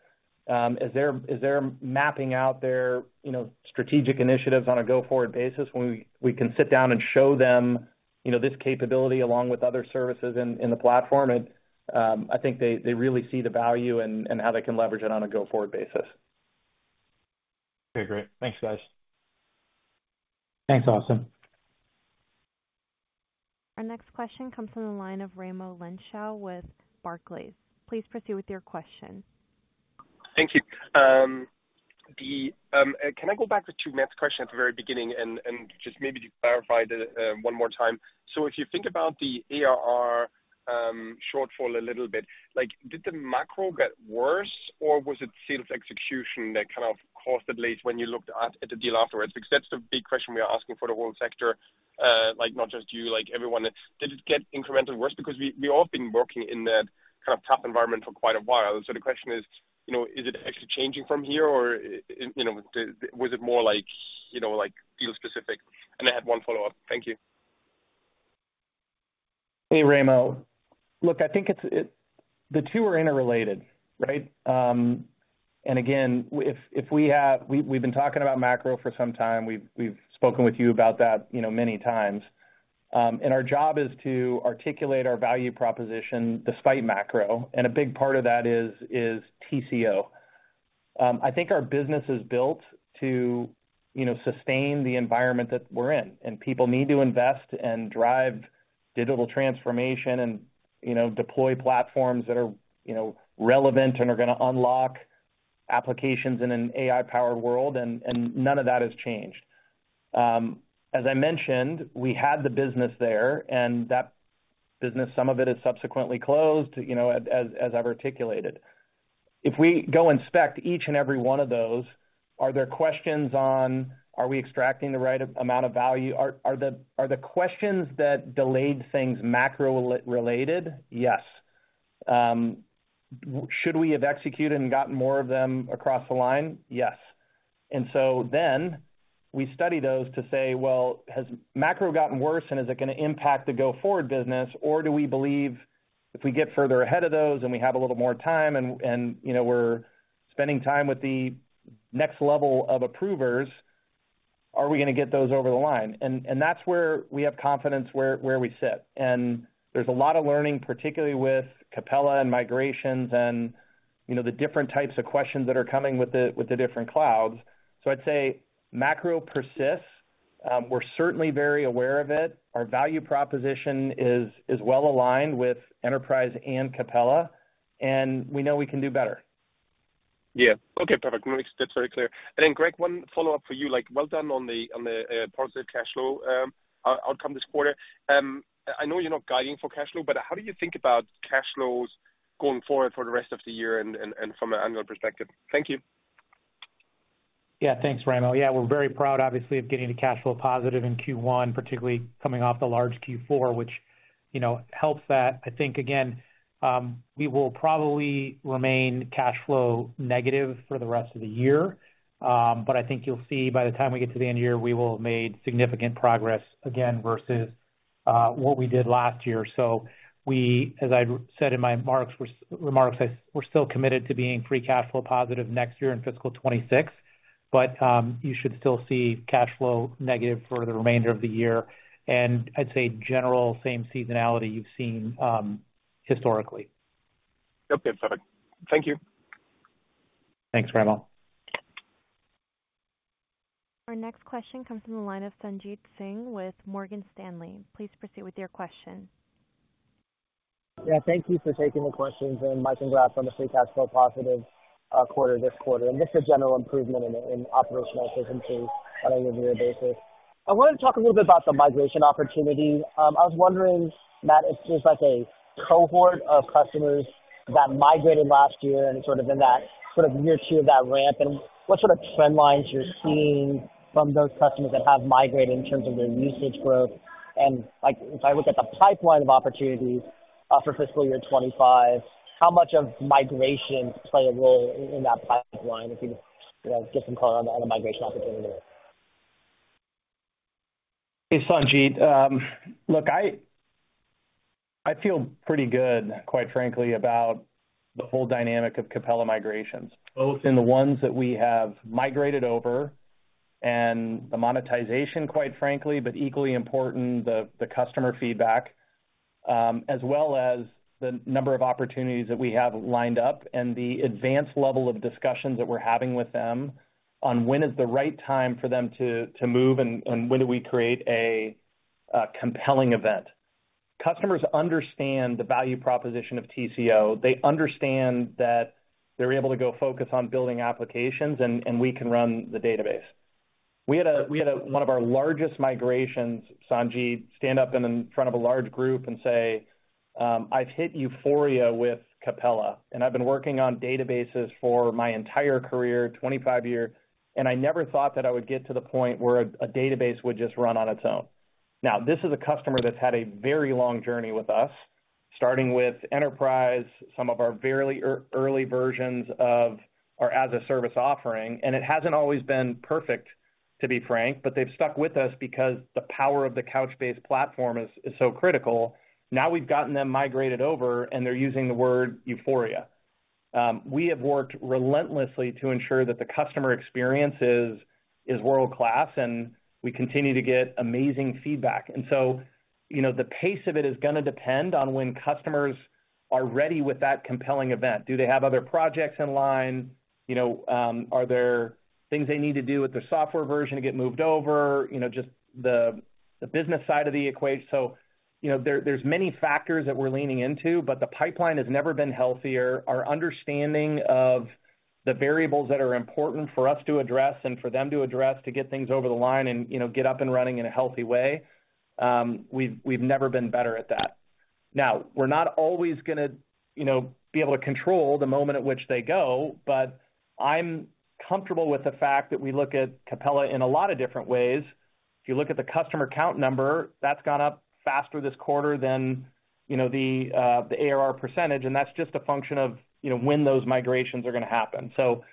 As they're mapping out their, you know, strategic initiatives on a go-forward basis, when we can sit down and show them, you know, this capability along with other services in the platform, it. I think they really see the value and how they can leverage it on a go-forward basis. Very great. Thanks, guys. Thanks, Austin. Our next question comes from the line of Raimo Lenschow with Barclays. Please proceed with your question. Thank you. Can I go back to two Matt's question at the very beginning and just maybe to clarify one more time? So if you think about the ARR shortfall a little bit, like, did the macro get worse, or was it sales execution that kind of caused the delay when you looked at the deal afterwards? Because that's the big question we are asking for the whole sector, like, not just you, like everyone. Did it get incrementally worse? Because we all have been working in that kind of tough environment for quite a while. So the question is, you know, is it actually changing from here, or, you know, was it more like, you know, like, deal specific? And I had one follow-up. Thank you. Hey, Raimo. Look, I think it's the two are interrelated, right? And again, we've been talking about macro for some time. We've spoken with you about that, you know, many times. And our job is to articulate our value proposition despite macro, and a big part of that is TCO. I think our business is built to, you know, sustain the environment that we're in, and people need to invest and drive digital transformation and, you know, deploy platforms that are, you know, relevant and are going to unlock applications in an AI-powered world, and none of that has changed. As I mentioned, we had the business there, and that business, some of it, is subsequently closed, you know, as I've articulated. If we go inspect each and every one of those, are there questions on are we extracting the right amount of value? Are the questions that delayed things macro related? Yes. Should we have executed and gotten more of them across the line? Yes. And so then we study those to say, well, has macro gotten worse, and is it going to impact the go-forward business? Or do we believe if we get further ahead of those and we have a little more time and, you know, we're spending time with the next level of approvers, are we going to get those over the line? And that's where we have confidence, where we sit. And there's a lot of learning, particularly with Capella and migrations and, you know, the different types of questions that are coming with the different clouds. I'd say macro persists. We're certainly very aware of it. Our value proposition is well aligned with enterprise and Capella, and we know we can do better.... Yeah. Okay, perfect. That's very clear. And then, Greg, one follow-up for you. Like, well done on the positive cash flow outcome this quarter. I know you're not guiding for cash flow, but how do you think about cash flows going forward for the rest of the year and from an annual perspective? Thank you. Yeah, thanks, Raimo. Yeah, we're very proud, obviously, of getting the cash flow positive in Q1, particularly coming off the large Q4, which, you know, helps that. I think, again, we will probably remain cash flow negative for the rest of the year. But I think you'll see by the time we get to the end of the year, we will have made significant progress, again, versus what we did last year. So we, as I said in my remarks, we're still committed to being free cash flow positive next year in fiscal 2026, but you should still see cash flow negative for the remainder of the year, and I'd say generally same seasonality you've seen, historically. Okay, perfect. Thank you. Thanks, Raimo. Our next question comes from the line of Sanjit Singh with Morgan Stanley. Please proceed with your question. Yeah, thank you for taking the questions, and congrats on the free cash flow positive quarter this quarter, and just a general improvement in operational efficiency on a year-over-year basis. I wanted to talk a little bit about the migration opportunity. I was wondering, Matt, if there's, like, a cohort of customers that migrated last year and sort of in that sort of year two of that ramp, and what sort of trend lines you're seeing from those customers that have migrated in terms of their usage growth? And, like, if I look at the pipeline of opportunities for fiscal year 2025, how much of migration play a role in that pipeline, if you, you know, get some color on the migration opportunity? Hey, Sanjit. Look, I feel pretty good, quite frankly, about the whole dynamic of Capella migrations, both in the ones that we have migrated over and the monetization, quite frankly, but equally important, the customer feedback, as well as the number of opportunities that we have lined up and the advanced level of discussions that we're having with them on when is the right time for them to move and when do we create a compelling event. Customers understand the value proposition of TCO. They understand that they're able to go focus on building applications, and we can run the database. We had a... One of our largest migrations, Sanjit, stand up in front of a large group and say, "I've hit euphoria with Capella, and I've been working on databases for my entire career, 25 years, and I never thought that I would get to the point where a database would just run on its own." Now, this is a customer that's had a very long journey with us, starting with enterprise, some of our very early versions of our as-a-service offering, and it hasn't always been perfect, to be frank, but they've stuck with us because the power of the Couchbase platform is so critical. Now, we've gotten them migrated over, and they're using the word euphoria. We have worked relentlessly to ensure that the customer experience is world-class, and we continue to get amazing feedback. And so, you know, the pace of it is going to depend on when customers are ready with that compelling event. Do they have other projects in line? You know, are there things they need to do with the software version to get moved over? You know, just the business side of the equation. So, you know, there's many factors that we're leaning into, but the pipeline has never been healthier. Our understanding of the variables that are important for us to address and for them to address, to get things over the line and, you know, get up and running in a healthy way, we've never been better at that. Now, we're not always going to, you know, be able to control the moment at which they go, but I'm comfortable with the fact that we look at Capella in a lot of different ways. If you look at the customer count number, that's gone up faster this quarter than, you know, the, the ARR percentage, and that's just a function of, you know, when those migrations are going to happen. So,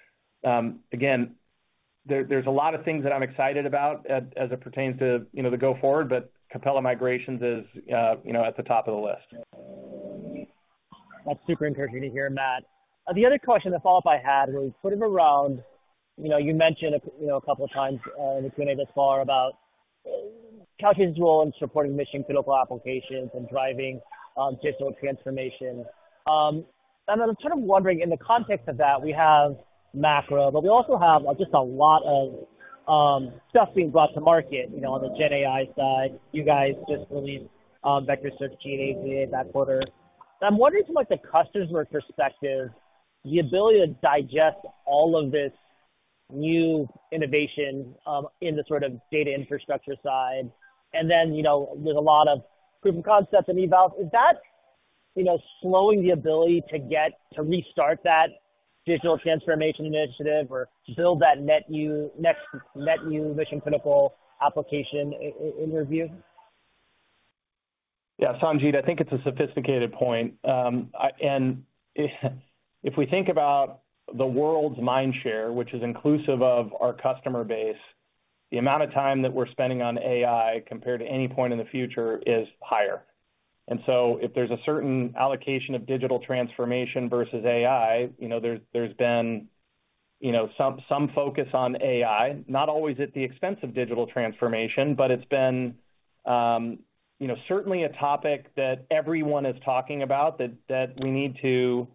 again, there, there's a lot of things that I'm excited about as, as it pertains to, you know, the go forward, but Capella migrations is, you know, at the top of the list. That's super encouraging to hear, Matt. The other question, the follow-up I had was sort of around, you know, you mentioned, you know, a couple of times in the Q&A thus far about Couchbase's role in supporting mission-critical applications and driving digital transformation. And I'm kind of wondering, in the context of that, we have macro, but we also have just a lot of stuff being brought to market, you know, on the GenAI side. You guys just released Vector Search GA, GA that quarter. I'm wondering from, like, the customer perspective, the ability to digest all of this new innovation in the sort of data infrastructure side, and then, you know, there's a lot of proof of concept and eval. Is that, you know, slowing the ability to get to restart that digital transformation initiative or build that net new, next net-new mission-critical application in your view? Yeah, Sanjit, I think it's a sophisticated point. And if, if we think about the world's mind share, which is inclusive of our customer base, the amount of time that we're spending on AI compared to any point in the future is higher. And so if there's a certain allocation of digital transformation versus AI, you know, there's, there's been, you know, some, some focus on AI, not always at the expense of digital transformation, but it's been, you know, certainly a topic that everyone is talking about, that, that we need to,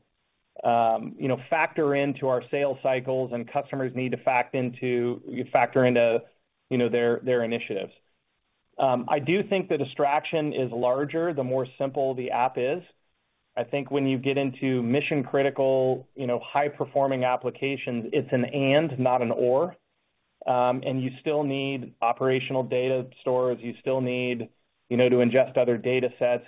you know, factor into our sales cycles and customers need to fact into- factor into, you know, their, their initiatives. I do think the distraction is larger, the more simple the app is. I think when you get into mission-critical, you know, high-performing applications, it's an and, not an or. And you still need operational data stores. You still need, you know, to ingest other data sets.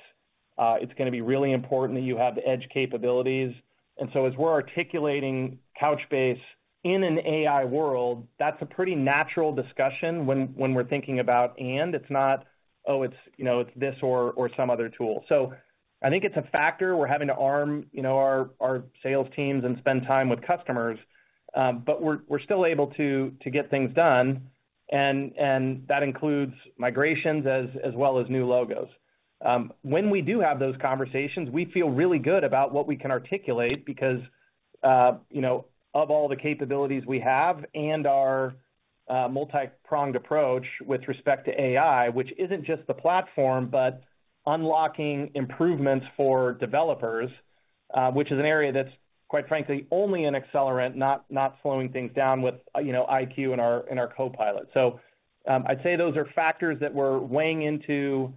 It's going to be really important that you have the edge capabilities. And so as we're articulating Couchbase in an AI world, that's a pretty natural discussion when we're thinking about, and it's not, oh, it's, you know, it's this or some other tool. So I think it's a factor we're having to arm, you know, our sales teams and spend time with customers, but we're still able to get things done, and that includes migrations as well as new logos. When we do have those conversations, we feel really good about what we can articulate because, you know, of all the capabilities we have and our, multipronged approach with respect to AI, which isn't just the platform, but unlocking improvements for developers, which is an area that's, quite frankly, only an accelerant, not, not slowing things down with, you know, iQ and our- and our Copilot. So, I'd say those are factors that we're weighing into,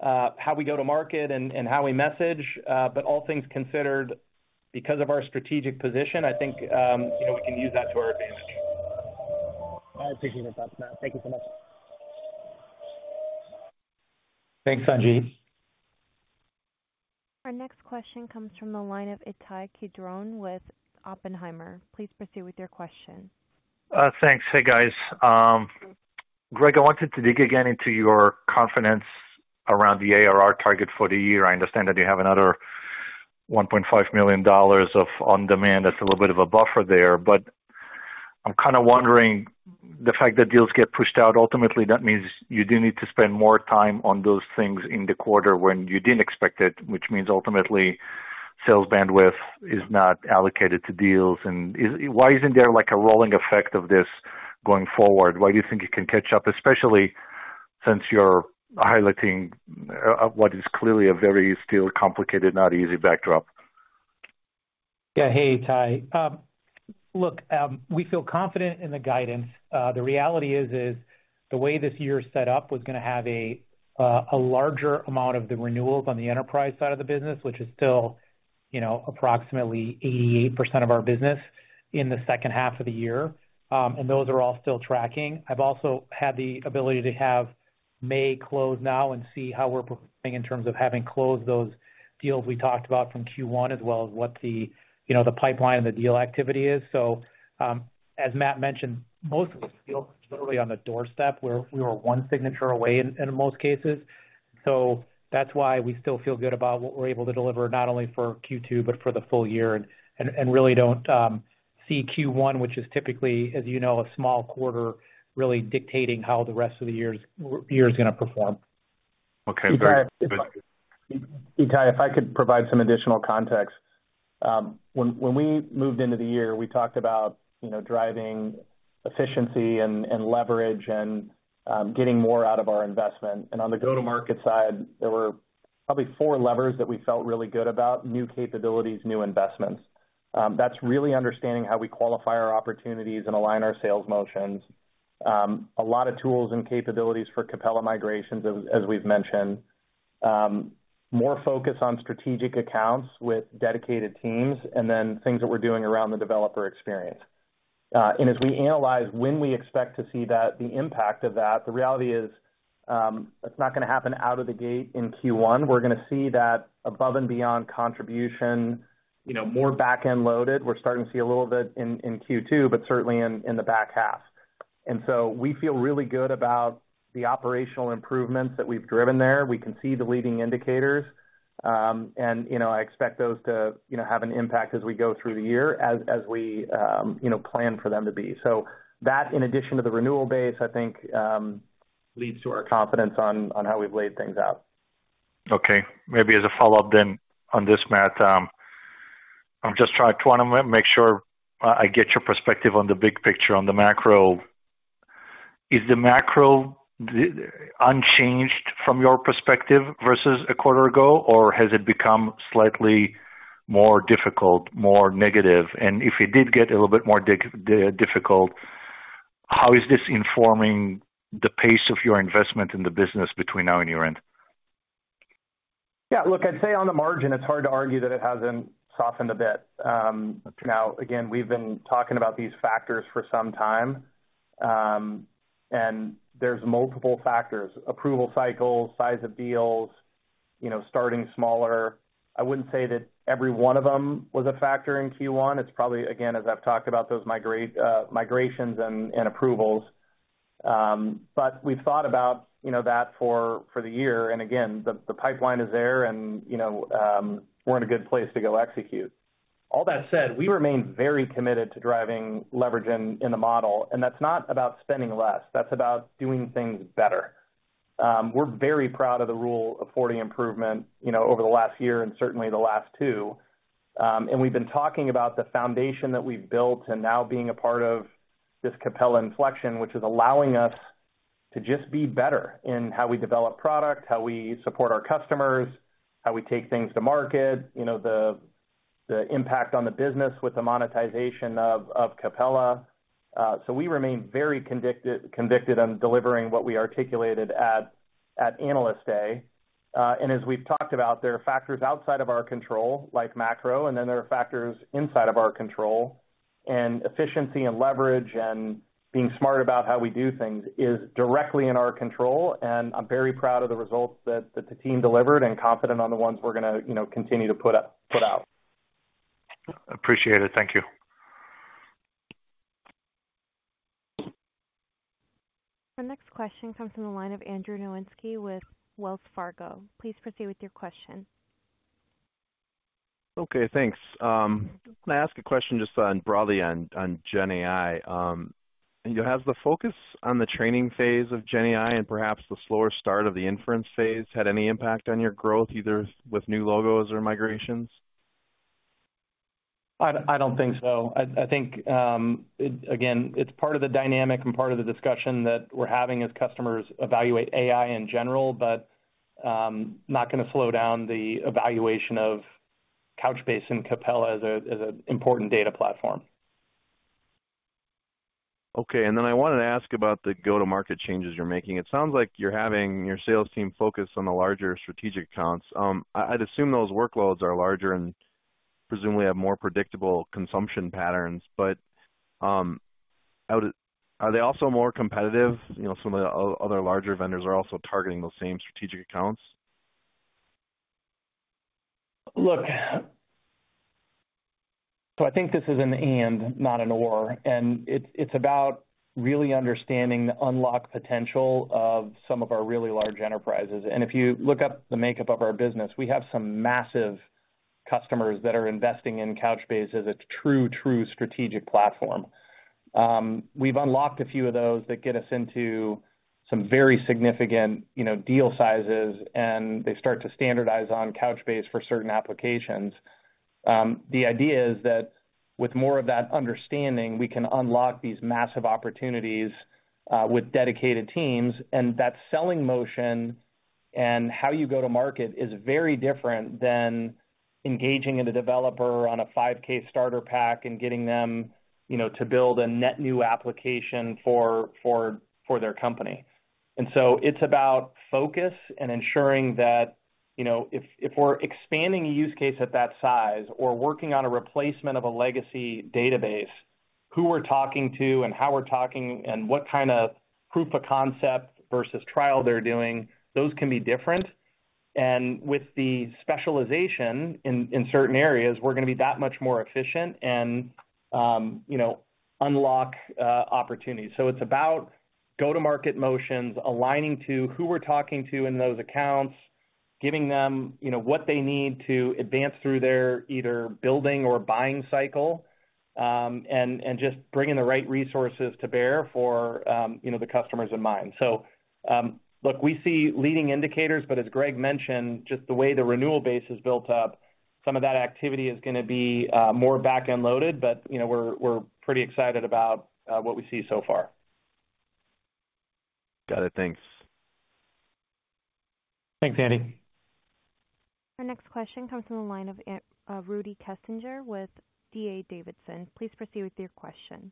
how we go to market and, and how we message, but all things considered, because of our strategic position, I think, you know, we can use that to our advantage. I appreciate the thoughts, Matt. Thank you so much. Thanks, Sanjit. Our next question comes from the line of Ittai Kidron with Oppenheimer. Please proceed with your question. Thanks. Hey, guys. Greg, I wanted to dig again into your confidence around the ARR target for the year. I understand that you have another $1.5 million of on-demand. That's a little bit of a buffer there, but I'm kind of wondering, the fact that deals get pushed out, ultimately, that means you do need to spend more time on those things in the quarter when you didn't expect it, which means ultimately, sales bandwidth is not allocated to deals. And why isn't there, like, a rolling effect of this going forward? Why do you think it can catch up, especially since you're highlighting what is clearly a very still complicated, not easy backdrop? Yeah. Hey, Ittai. Look, we feel confident in the guidance. The reality is the way this year is set up, was going to have a larger amount of the renewals on the enterprise side of the business, which is still, you know, approximately 88% of our business in the second half of the year. And those are all still tracking. I've also had the ability to have May close now and see how we're performing in terms of having closed those deals we talked about from Q1, as well as what the, you know, the pipeline and the deal activity is. So, as Matt mentioned, most of the deals literally on the doorstep, we were one signature away in most cases. So that's why we still feel good about what we're able to deliver, not only for Q2, but for the full year, and really don't see Q1, which is typically, as you know, a small quarter, really dictating how the rest of the year is going to perform. Okay, great. Ittai, if I could provide some additional context. When we moved into the year, we talked about, you know, driving efficiency and leverage and getting more out of our investment. On the go-to-market side, there were probably four levers that we felt really good about: new capabilities, new investments. That's really understanding how we qualify our opportunities and align our sales motions. A lot of tools and capabilities for Capella migrations, as we've mentioned. More focus on strategic accounts with dedicated teams and then things that we're doing around the developer experience. And as we analyze when we expect to see that, the impact of that, the reality is, it's not going to happen out of the gate in Q1. We're going to see that above and beyond contribution, you know, more back-end loaded. We're starting to see a little bit in Q2, but certainly in the back half. And so we feel really good about the operational improvements that we've driven there. We can see the leading indicators, and, you know, I expect those to, you know, have an impact as we go through the year, as we, you know, plan for them to be. So that, in addition to the renewal base, I think, leads to our confidence on how we've laid things out. Okay, maybe as a follow-up then on this, Matt, I'm just trying to want to make sure I get your perspective on the big picture, on the macro. Is the macro unchanged from your perspective versus a quarter ago, or has it become slightly more difficult, more negative? And if it did get a little bit more difficult, how is this informing the pace of your investment in the business between now and year-end? Yeah, look, I'd say on the margin, it's hard to argue that it hasn't softened a bit. Now, again, we've been talking about these factors for some time, and there's multiple factors, approval cycles, size of deals, you know, starting smaller. I wouldn't say that every one of them was a factor in Q1. It's probably, again, as I've talked about, those migrations and approvals. But we've thought about, you know, that for the year, and again, the pipeline is there and, you know, we're in a good place to go execute. All that said, we remain very committed to driving leverage in the model, and that's not about spending less, that's about doing things better. We're very proud of the Rule of 40 improvement, you know, over the last year and certainly the last two. And we've been talking about the foundation that we've built and now being a part of this Capella inflection, which is allowing us to just be better in how we develop product, how we support our customers, how we take things to market, you know, the impact on the business with the monetization of Capella. So we remain very convicted on delivering what we articulated at Analyst Day. And as we've talked about, there are factors outside of our control, like macro, and then there are factors inside of our control, and efficiency and leverage and being smart about how we do things is directly in our control. And I'm very proud of the results that the team delivered and confident on the ones we're going to, you know, continue to put out. Appreciate it. Thank you. Our next question comes from the line of Andrew Nowinski with Wells Fargo. Please proceed with your question. Okay, thanks. Can I ask a question just on, broadly on, on GenAI? Has the focus on the training phase of GenAI and perhaps the slower start of the inference phase had any impact on your growth, either with new logos or migrations? I don't think so. I think, again, it's part of the dynamic and part of the discussion that we're having as customers evaluate AI in general, but, not going to slow down the evaluation of Couchbase and Capella as a, as an important data platform. Okay, and then I wanted to ask about the go-to-market changes you're making. It sounds like you're having your sales team focus on the larger strategic accounts. I'd assume those workloads are larger and presumably have more predictable consumption patterns, but, Are they also more competitive? You know, some of the other larger vendors are also targeting those same strategic accounts. Look, so I think this is an and, not an or, and it's, it's about really understanding the unlocked potential of some of our really large enterprises. And if you look up the makeup of our business, we have some massive customers that are investing in Couchbase as a true, true strategic platform. We've unlocked a few of those that get us into some very significant, you know, deal sizes, and they start to standardize on Couchbase for certain applications. The idea is that with more of that understanding, we can unlock these massive opportunities, with dedicated teams, and that selling motion and how you go to market is very different than engaging in a developer on a 5K starter pack and getting them, you know, to build a net new application for their company. So it's about focus and ensuring that, you know, if we're expanding a use case at that size or working on a replacement of a legacy database, who we're talking to and how we're talking and what kind of proof of concept versus trial they're doing, those can be different. And with the specialization in certain areas, we're going to be that much more efficient and, you know, unlock opportunities. So it's about go-to-market motions, aligning to who we're talking to in those accounts, giving them, you know, what they need to advance through their either building or buying cycle, and just bringing the right resources to bear for, you know, the customers in mind. So, look, we see leading indicators, but as Greg mentioned, just the way the renewal base is built up, some of that activity is going to be more back-end loaded. But, you know, we're pretty excited about what we see so far. Got it. Thanks. Thanks, Andy. Our next question comes from the line of Rudy Kessinger with D.A. Davidson. Please proceed with your question.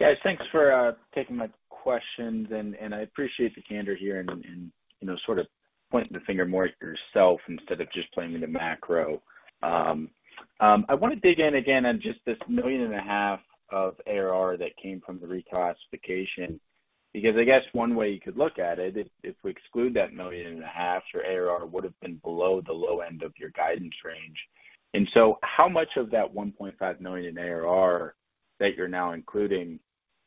Yeah, thanks for taking my questions, and, and, I appreciate the candor here and, and, you know, sort of pointing the finger more at yourself instead of just playing in the macro. I want to dig in again on just this $1.5 million of ARR that came from the reclassification, because I guess one way you could look at it, if, if we exclude that $1.5 million, your ARR would have been below the low end of your guidance range. And so how much of that $1.5 million ARR that you're now including,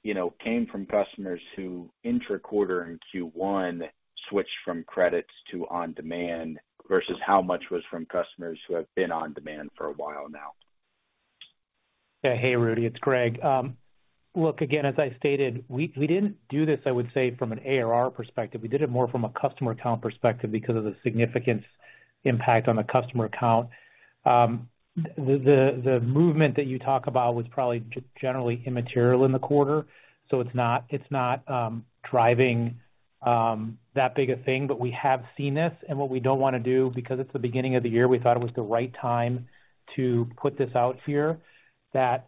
you know, came from customers who intra-quarter in Q1 switched from credits to on-demand, versus how much was from customers who have been on-demand for a while now? Hey, Rudy, it's Greg. Look, again, as I stated, we didn't do this, I would say, from an ARR perspective. We did it more from a customer account perspective because of the significant impact on the customer account. The movement that you talk about was probably generally immaterial in the quarter, so it's not driving that big a thing. But we have seen this, and what we don't want to do, because it's the beginning of the year, we thought it was the right time to put this out here, that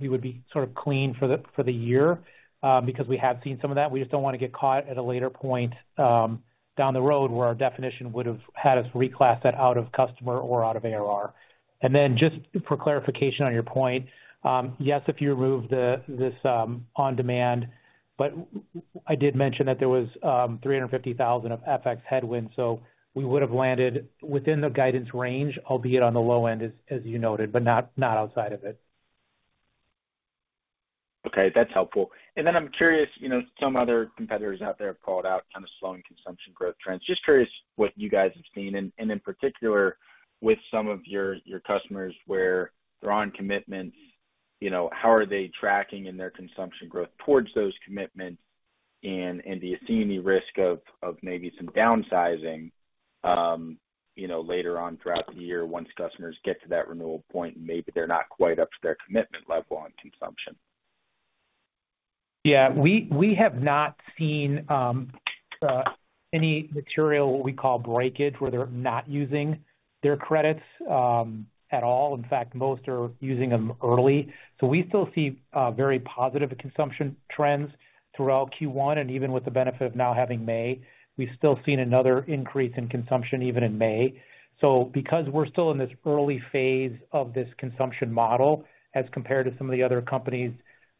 we would be sort of clean for the year, because we have seen some of that. We just don't want to get caught at a later point, down the road where our definition would have had us reclass that out of customer or out of ARR. And then just for clarification on your point, yes, if you remove this on demand, but I did mention that there was $350,000 of FX headwind, so we would have landed within the guidance range, albeit on the low end, as you noted, but not outside of it. Okay, that's helpful. And then I'm curious, you know, some other competitors out there have called out kind of slowing consumption growth trends. Just curious what you guys have seen, and, and in particular, with some of your, your customers where they're on commitments, you know, how are they tracking in their consumption growth towards those commitments? And, and do you see any risk of, of maybe some downsizing, you know, later on throughout the year once customers get to that renewal point, and maybe they're not quite up to their commitment level on consumption?... Yeah, we have not seen any material, what we call breakage, where they're not using their credits, at all. In fact, most are using them early. So we still see very positive consumption trends throughout Q1, and even with the benefit of now having May, we've still seen another increase in consumption even in May. So because we're still in this early phase of this consumption model, as compared to some of the other companies,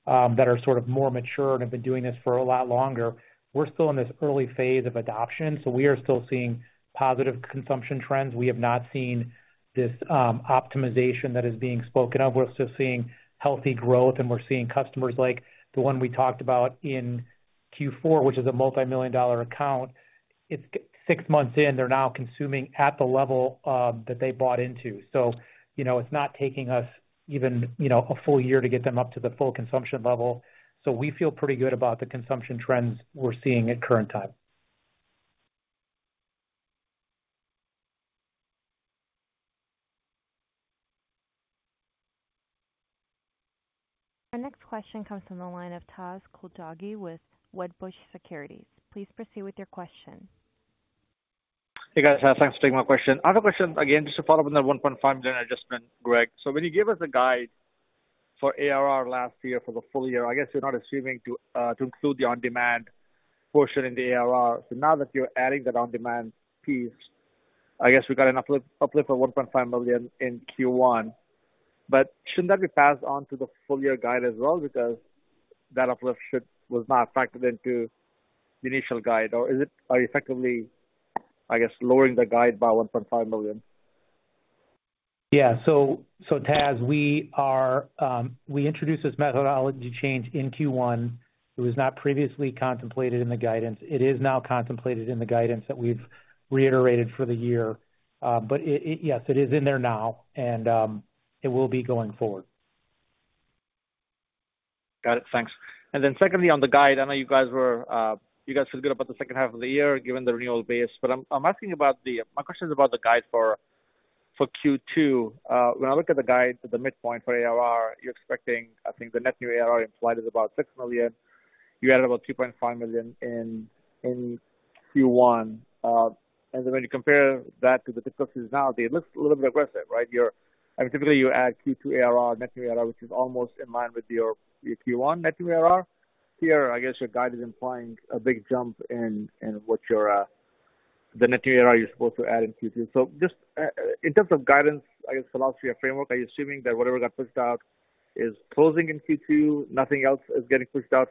that are sort of more mature and have been doing this for a lot longer, we're still in this early phase of adoption, so we are still seeing positive consumption trends. We have not seen this optimization that is being spoken of. We're still seeing healthy growth, and we're seeing customers like the one we talked about in Q4, which is a multimillion-dollar account. It's six months in, they're now consuming at the level that they bought into. So, you know, it's not taking us even, you know, a full year to get them up to the full consumption level. So we feel pretty good about the consumption trends we're seeing at current time. Our next question comes from the line of Taz Koujalgi with Wedbush Securities. Please proceed with your question. Hey, guys. Thanks for taking my question. I have a question, again, just to follow up on that $1.5 million adjustment, Greg. So when you gave us a guide for ARR last year, for the full year, I guess you're not assuming to, to include the on-demand portion in the ARR. So now that you're adding that on-demand piece, I guess we got an uplift, uplift for $1.5 million in Q1. But shouldn't that be passed on to the full year guide as well? Because that uplift was not factored into the initial guide, or is it are effectively, I guess, lowering the guide by $1.5 million. Yeah. So, Taz, we introduced this methodology change in Q1. It was not previously contemplated in the guidance. It is now contemplated in the guidance that we've reiterated for the year. But it, yes, it is in there now, and it will be going forward. Got it. Thanks. And then secondly, on the guide, I know you guys were, you guys feel good about the second half of the year, given the renewal base, but I'm asking you about the guide for Q2. When I look at the guide, at the midpoint for ARR, you're expecting I think the net new ARR implied is about $6 million. You added about $2.5 million in Q1. And then when you compare that to the difficulties now, it looks a little bit aggressive, right? And typically you add Q2 ARR, net new ARR, which is almost in line with your Q1 net new ARR. Here, I guess, your guide is implying a big jump in what you're the net new ARR you're supposed to add in Q2. So just in terms of guidance, I guess, philosophy or framework, are you assuming that whatever got pushed out is closing in Q2, nothing else is getting pushed out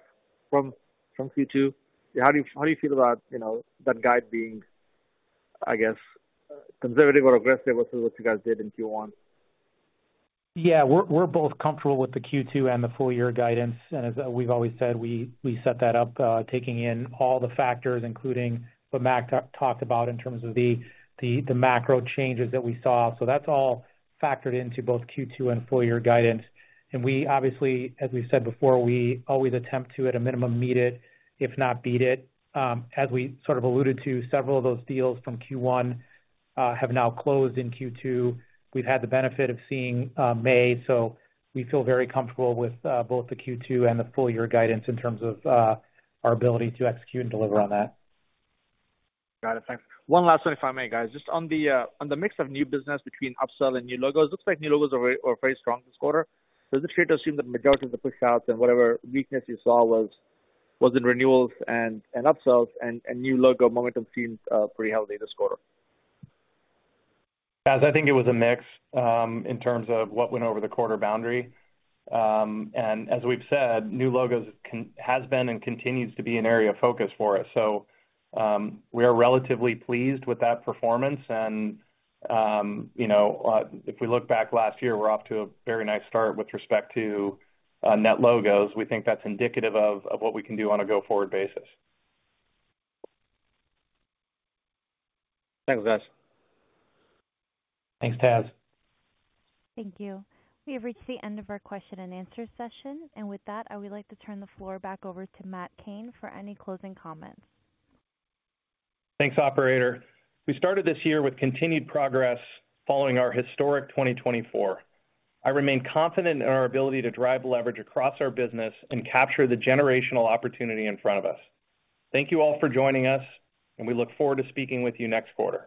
from Q2? How do you feel about, you know, that guide being, I guess, conservative or aggressive versus what you guys did in Q1? Yeah, we're both comfortable with the Q2 and the full year guidance, and as we've always said, we set that up taking in all the factors, including what Matt talked about in terms of the macro changes that we saw. So that's all factored into both Q2 and full year guidance. We obviously, as we've said before, we always attempt to, at a minimum, meet it, if not beat it. As we sort of alluded to, several of those deals from Q1 have now closed in Q2. We've had the benefit of seeing May, so we feel very comfortable with both the Q2 and the full year guidance in terms of our ability to execute and deliver on that. Got it. Thanks. One last one, if I may, guys. Just on the mix of new business between upsell and new logos, it looks like new logos are very, are very strong this quarter. Does it seem that majority of the pushouts and whatever weakness you saw was, was in renewals and, and upsells and, and new logo momentum seems pretty healthy this quarter? Taz, I think it was a mix, in terms of what went over the quarter boundary. And as we've said, new logos has been and continues to be an area of focus for us. So, we are relatively pleased with that performance. And, you know, if we look back last year, we're off to a very nice start with respect to, net logos. We think that's indicative of, what we can do on a go-forward basis. Thanks, guys. Thanks, Taz. Thank you. We have reached the end of our question-and-answer session, and with that, I would like to turn the floor back over to Matt Cain for any closing comments. Thanks, operator. We started this year with continued progress following our historic 2024. I remain confident in our ability to drive leverage across our business and capture the generational opportunity in front of us. Thank you all for joining us, and we look forward to speaking with you next quarter.